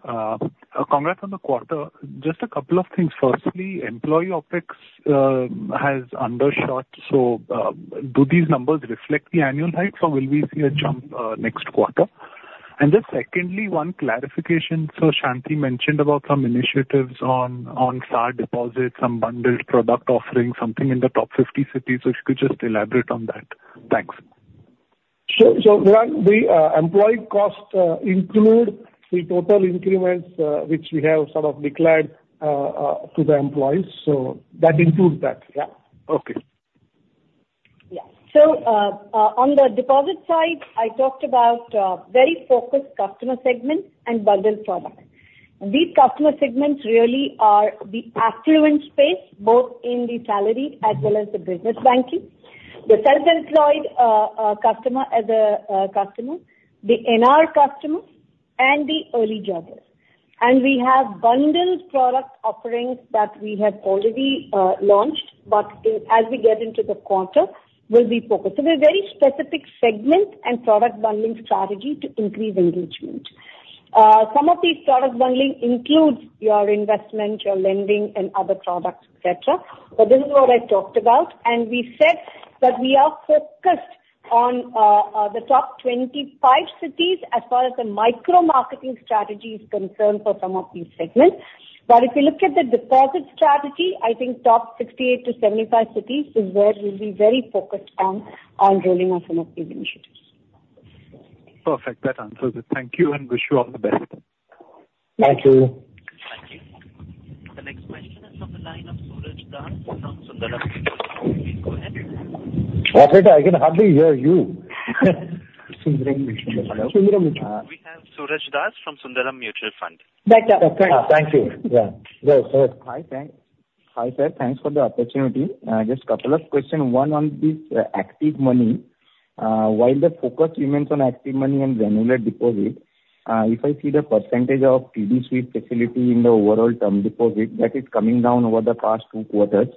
Congrats on the quarter. Just a couple of things. Firstly, employee OpEx has undershot, so do these numbers reflect the annual hike, or will we see a jump next quarter? And then secondly, one clarification: so Shanti mentioned about some initiatives on CASA deposits, some bundled product offerings, something in the top 50 cities. So if you could just elaborate on that. Thanks. So, Piran, the employee costs include the total increments, which we have sort of declared to the employees, so that includes that. Yeah. Okay. Yeah. So, on the deposit side, I talked about very focused customer segments and bundled products. These customer segments really are the affluent space, both in the salary as well as the Business Banking, the self-employed customer as a customer, the NR customers, and the early jobbers. We have bundled product offerings that we have already launched, but as we get into the quarter, will be focused. So a very specific segment and product bundling strategy to increase engagement. Some of these product bundling includes your investment, your lending, and other products, et cetera, but this is what I talked about. We said that we are focused on the top 25 cities as far as the micro marketing strategy is concerned for some of these segments. If you look at the deposit strategy, I think top 68-75 cities is where we'll be very focused on, on rolling out some of these initiatives. Perfect. That answers it. Thank you, and wish you all the best. Thank you. Thank you. The next question is on the line of Suraj Das from Sundaram Mutual. Please, go ahead. I can hardly hear you. We have Suraj Das from Sundaram Mutual Fund. Better. Thank you. Yeah. Go, go ahead. Hi, thanks. Hi, sir, thanks for the opportunity. Just couple of questions. One on this, ActivMoney. While the focus remains on ActivMoney and regular deposits, if I see the percentage of TD Sweep facility in the overall term deposits, that is coming down over the past two quarters.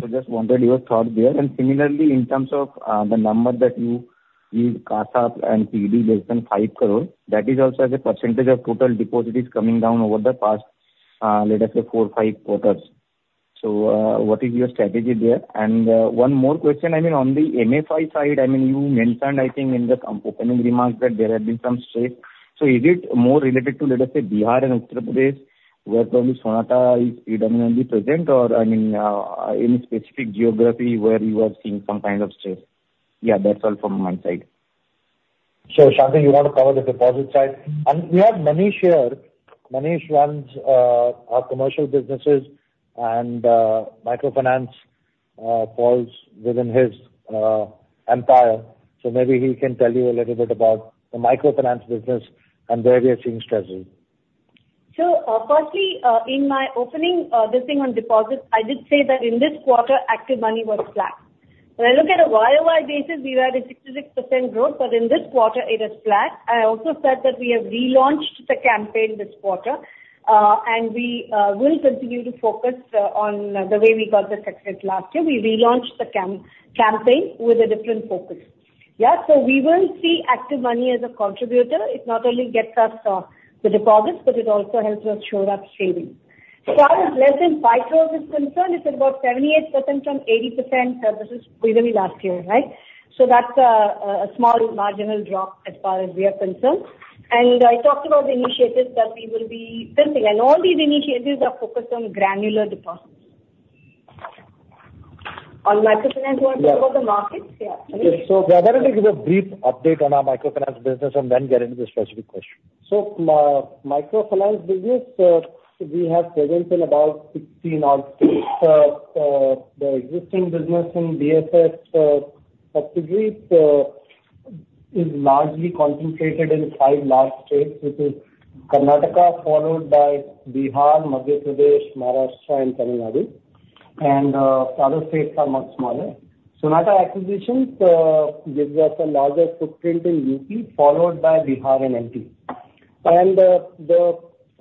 So just wondered your thought there. And similarly, in terms of the number that you give CASA and CD, less than INR 5 crore, that is also as a percentage of total deposits, is coming down over the past, let's say, four, five quarters. So, what is your strategy there? And, one more question, I mean, on the MFI side, I mean, you mentioned, I think, in the opening remarks, that there have been some shifts. So is it more related to, let's say, Bihar and Uttar Pradesh, where probably Sonata is predominantly present, or I mean, any specific geography where you are seeing some kind of shifts? Yeah, that's all from my side. So, Shanti, you want to cover the deposit side? And we have Manish here. Manish runs our Commercial businesses, and Microfinance falls within his empire, so maybe he can tell you a little bit about the Microfinance business and where we are seeing stresses. So, firstly, in my opening, this thing on deposits, I did say that in this quarter, ActivMoney was flat. When I look at a YoY basis, we were at a 66% growth, but in this quarter, it is flat. I also said that we have relaunched the campaign this quarter, and we will continue to focus on the way we got the success last year. We relaunched the campaign with a different focus. Yeah, so we will see ActivMoney as a contributor. It not only gets us the deposits, but it also helps us shore up savings. So as far less than 5 crore is concerned, it's about 78% from 80%, this is really last year, right? So that's a small marginal drop as far as we are concerned. I talked about the initiatives that we will be building, and all these initiatives are focused on granular deposits. On Microfinance, you want to talk about the markets? Yeah. Yes. So Manish would give a brief update on our Microfinance business and then get into the specific question. Microfinance business, we have presence in about 16-odd states. The existing business in BSS subsidiary is largely concentrated in five large states, which is Karnataka, followed by Bihar, Madhya Pradesh, Maharashtra and Tamil Nadu, and other states are much smaller. Sonata acquisitions gives us a larger footprint in UP, followed by Bihar and MP.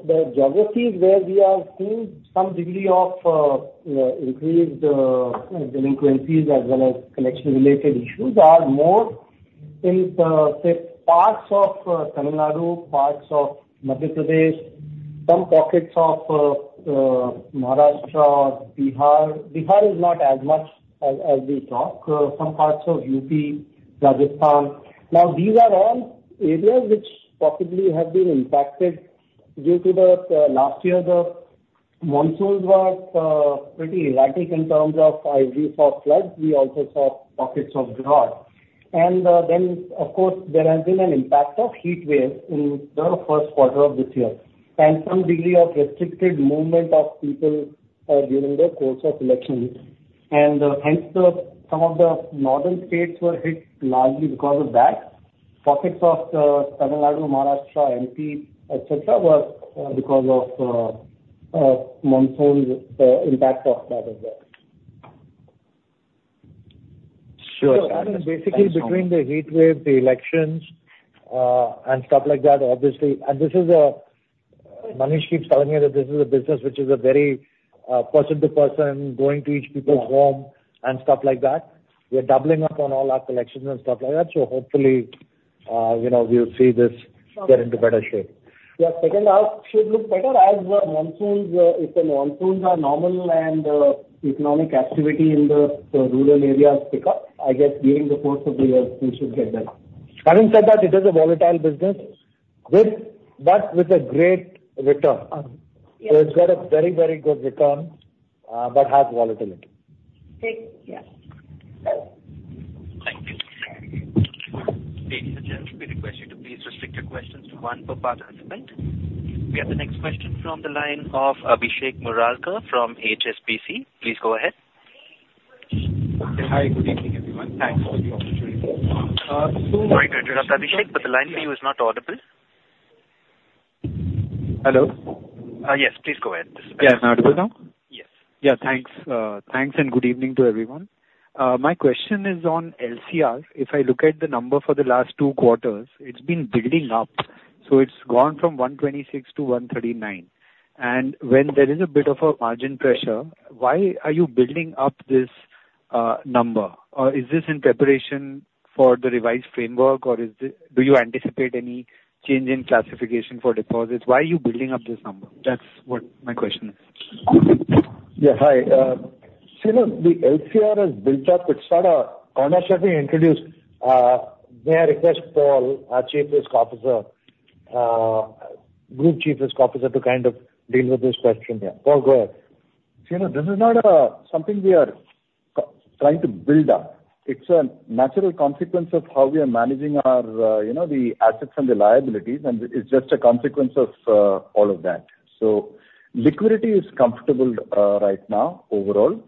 The geographies where we are seeing some degree of increased delinquencies as well as collection-related issues are more in, say, parts of Tamil Nadu, parts of Madhya Pradesh, some pockets of Maharashtra, Bihar. Bihar is not as much as we talk, some parts of UP, Rajasthan. Now, these are all areas which possibly have been impacted due to the last year, the monsoons were pretty erratic in terms of we saw floods, we also saw pockets of drought. And then, of course, there has been an impact of heat wave in the first quarter of this year, and some degree of restricted movement of people during the course of elections. And hence, some of the northern states were hit largely because of that. Pockets of Tamil Nadu, Maharashtra, MP, et cetera, were because of monsoon impact of that as well. Sure. So basically, between the heat wave, the elections, and stuff like that, obviously, and this is a Manish keeps telling me that this is a business which is a very person-to-person, going to each people's home and stuff like that. We are doubling up on all our collections and stuff like that, so hopefully, you know, we'll see this get into better shape. Yeah, second half should look better as the monsoons, if the monsoons are normal and economic activity in the rural areas pick up. I guess during the course of the year, we should get there. Having said that, it is a volatile business, but with a great return. Um, yes. It's got a very, very good return, but has volatility. Great. Yeah. Thank you. Ladies and gentlemen, we request you to please restrict your questions to one per participant. We have the next question from the line of Abhishek Murarka from HSBC. Please go ahead. Hi, good evening, everyone. Thanks for the opportunity. Sorry to interrupt, Abhishek, but the line for you is not audible. Hello? Yes, please go ahead. Yeah, I'm audible now? Yes. Yeah, thanks. Thanks and good evening to everyone. My question is on LCR. If I look at the number for the last two quarters, it's been building up, so it's gone from 126% to 139%. And when there is a bit of a margin pressure, why are you building up this number? Or is this in preparation for the revised framework, or is this... Do you anticipate any change in classification for deposits? Why are you building up this number? That's what my question is. Yeah, hi. So, you know, the LCR has built up. It's not a conscious effort we introduced. May I request Paul, our Chief Risk Officer, Group Chief Risk Officer, to kind of deal with this question here? Paul, go ahead. So, you know, this is not something we are trying to build up. It's a natural consequence of how we are managing our, you know, the assets and the liabilities, and it's just a consequence of all of that. So liquidity is comfortable right now, overall.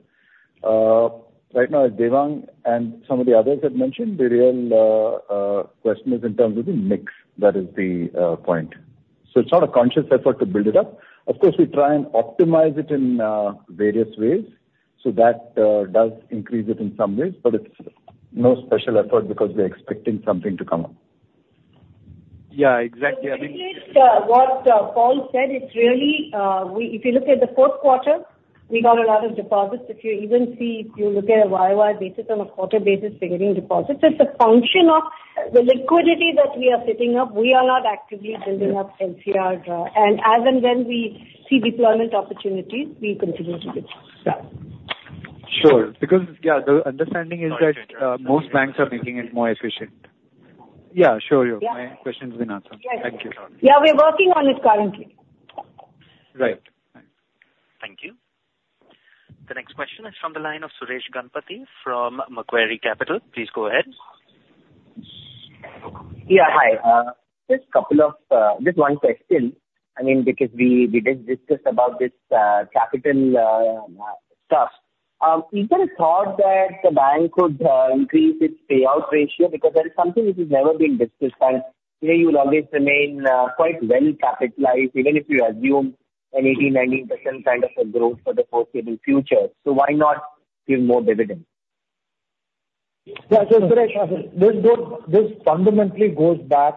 Right now, Devang and some of the others have mentioned the real question is in terms of the mix, that is the point. So it's not a conscious effort to build it up. Of course, we try and optimize it in various ways, so that does increase it in some ways, but it's no special effort because we're expecting something to come up. Yeah, exactly. I think- Just what Paul said, it's really, if you look at the fourth quarter, we got a lot of deposits. If you even see, if you look at a YoY basis, on a quarter basis, we're getting deposits. It's a function of the liquidity that we are setting up. We are not actively building up LCR, and as and when we see deployment opportunities, we continue to build. Yeah. Sure. Because, yeah, the understanding is that, most banks are making it more efficient. Yeah, sure. Yeah. My question has been answered. Yes. Thank you. Yeah, we're working on it currently. Right. Thank you. The next question is from the line of Suresh Ganapathy from Macquarie Capital. Please go ahead. Yeah, hi. Just couple of, just one question, I mean, because we, we did discuss about this, capital, stuff. Is there a thought that the bank could increase its payout ratio? Because that is something which has never been discussed, and here you will always remain quite well capitalized, even if you assume an 18%-19% kind of a growth for the foreseeable future. So why not give more dividend? Yeah, Suresh, this goes, this fundamentally goes back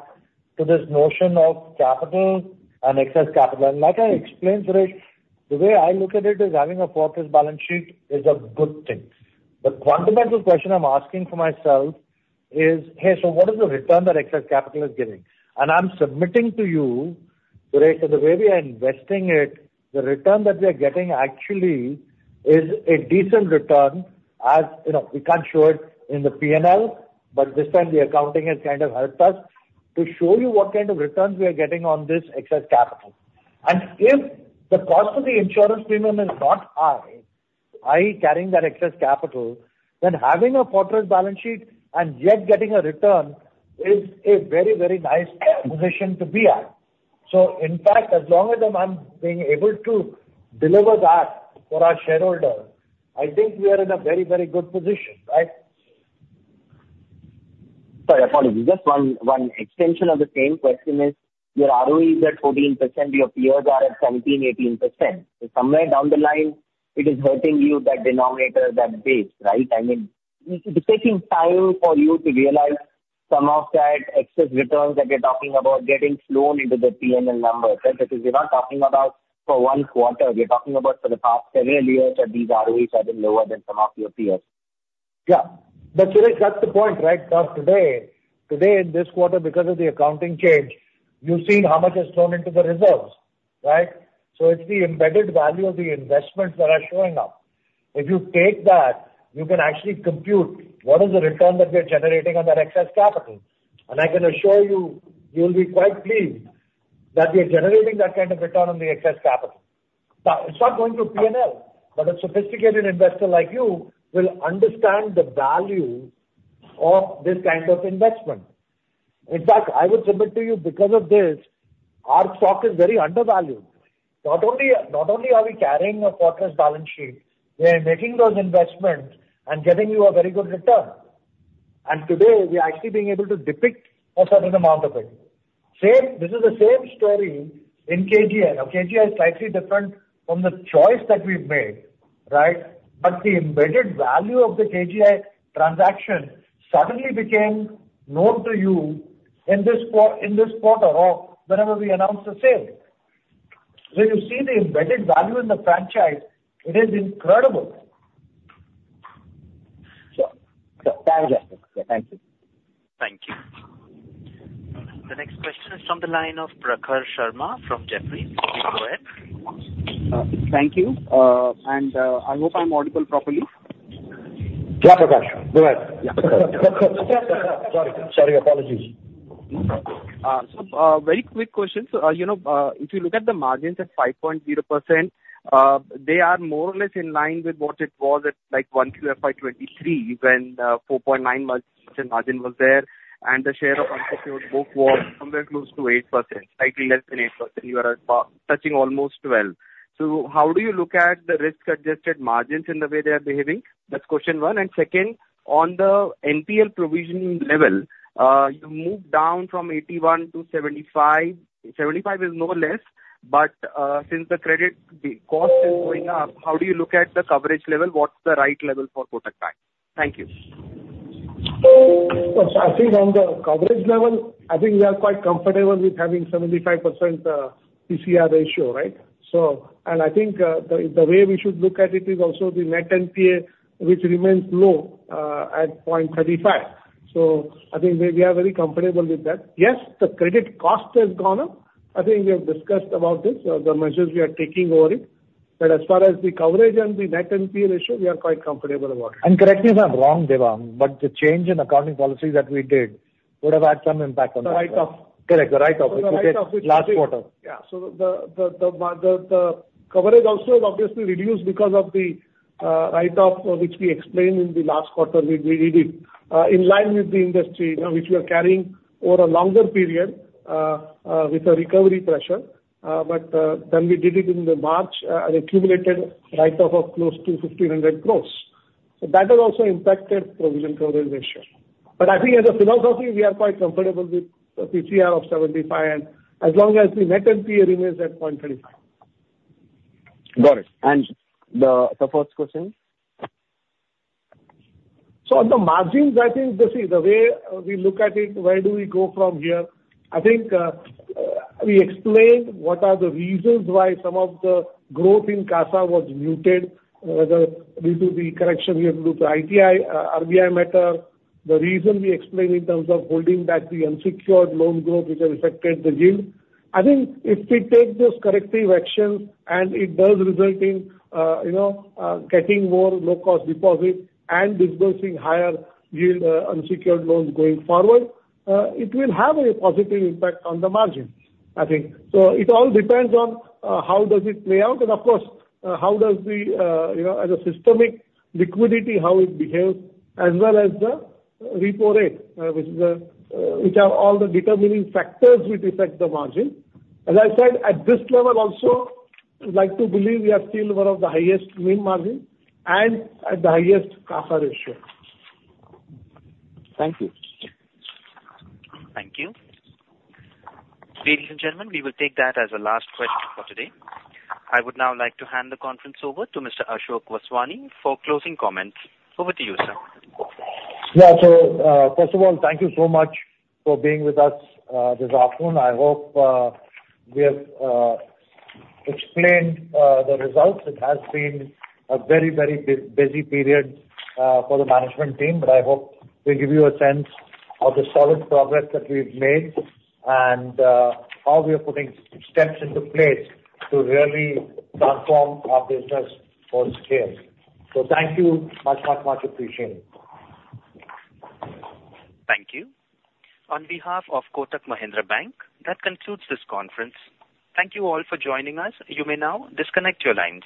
to this notion of capital and excess capital. Like I explained, Suresh, the way I look at it is having a fortress balance sheet is a good thing. The fundamental question I'm asking for myself is: Hey, so what is the return that excess capital is giving? I'm submitting to you, Suresh, that the way we are investing it, the return that we are getting actually is a decent return. As you know, we can't show it in the P&L, but this time the accounting has kind of helped us to show you what kind of returns we are getting on this excess capital. If the cost of the insurance premium is not high, i.e., carrying that excess capital, then having a fortress balance sheet and yet getting a return is a very, very nice position to be at. In fact, as long as I'm being able to deliver that for our shareholders, I think we are in a very, very good position, right? Sorry, apologies. Just one, one extension of the same question is, your ROE is at 14%, your peers are at 17%, 18%. So somewhere down the line, it is hurting you, that denominator, that base, right? I mean, it's taking time for you to realize some of that excess returns that we are talking about getting flown into the P&L numbers, right? Because we're not talking about for one quarter, we're talking about for the past several years that these ROEs have been lower than some of your peers. Yeah. But Suresh, that's the point, right? So today, today, in this quarter, because of the accounting change, you've seen how much is thrown into the reserves, right? So it's the embedded value of the investments that are showing up. If you take that, you can actually compute what is the return that we are generating on that excess capital. And I can assure you, you'll be quite pleased that we are generating that kind of return on the excess capital. Now, it's not going through P&L, but a sophisticated investor like you will understand the value of this kind of investment. In fact, I would submit to you, because of this, our stock is very undervalued. Not only, not only are we carrying a fortress balance sheet, we are making those investments and getting you a very good return. Today, we are actually being able to depict a certain amount of it. Same, this is the same story in KGI. Now, KGI is slightly different from the choice that we've made, right? But the embedded value of the KGI transaction suddenly became known to you in this quarter of whenever we announced the sale. When you see the embedded value in the franchise, it is incredible! Thank you. Thank you. Thank you. The next question is from the line of Prakhar Sharma from Jefferies. You go ahead. Thank you, and I hope I'm audible properly. Yeah, Prakash, go ahead. Sorry, sorry, apologies. So, very quick question. So, you know, if you look at the margins at 5.0%, they are more or less in line with what it was at, like, 1Q FY 2023, when 4.9% margin was there, and the share of unsecured book was somewhere close to 8%, slightly less than 8%. You are touching almost 12%. So how do you look at the risk-adjusted margins in the way they are behaving? That's question one. And second, on the NPA provisioning level, you moved down from 81% to 75%. 75 is no less, but since the credit, the cost is going up, how do you look at the coverage level? What's the right level for Kotak Bank? Thank you. So I think on the coverage level, I think we are quite comfortable with having 75% PCR ratio, right? And I think the way we should look at it is also the net NPA, which remains low at 0.35%. So I think we are very comfortable with that. Yes, the credit cost has gone up. I think we have discussed about this, the measures we are taking over it. But as far as the coverage and the net NPA ratio, we are quite comfortable about it. Correct me if I'm wrong, Devang, but the change in accounting policy that we did would have had some impact on that. The write-off. Correct, the write-off, which we did last quarter. Yeah. So the coverage also is obviously reduced because of the write-off, which we explained in the last quarter. We did it in line with the industry, you know, which we are carrying over a longer period with a recovery pressure. But then we did it in the March an accumulated write-off of close to 1,500 crore. So that has also impacted provision coverage ratio. But I think as a philosophy, we are quite comfortable with a PCR of 75%, and as long as the net NPA remains at 0.35%. Got it. And the first question? So on the margins, I think this is the way we look at it. Where do we go from here? I think we explained what are the reasons why some of the growth in CASA was muted due to the correction we had to do to the RBI matter. The reason we explained in terms of holding back the unsecured loans growth, which has affected the yield. I think if we take those corrective actions and it does result in you know getting more low-cost deposits and disbursing higher yield unsecured Loans going forward it will have a positive impact on the margin, I think. It all depends on how does it play out, and of course, how does the you know as a systemic liquidity how it behaves, as well as the repo rate, which is which are all the determining factors which affect the margin. As I said, at this level also, I'd like to believe we are still one of the highest net margin and at the highest CASA ratio. Thank you. Thank you. Ladies and gentlemen, we will take that as the last question for today. I would now like to hand the conference over to Mr. Ashok Vaswani for closing comments. Over to you, sir. Yeah. So, first of all, thank you so much for being with us this afternoon. I hope we have explained the results. It has been a very, very busy period for the management team, but I hope we'll give you a sense of the solid progress that we've made and how we are putting steps into place to really transform our business for scale. So thank you. Much, much, much appreciated. Thank you. On behalf of Kotak Mahindra Bank, that concludes this conference. Thank you all for joining us. You may now disconnect your lines.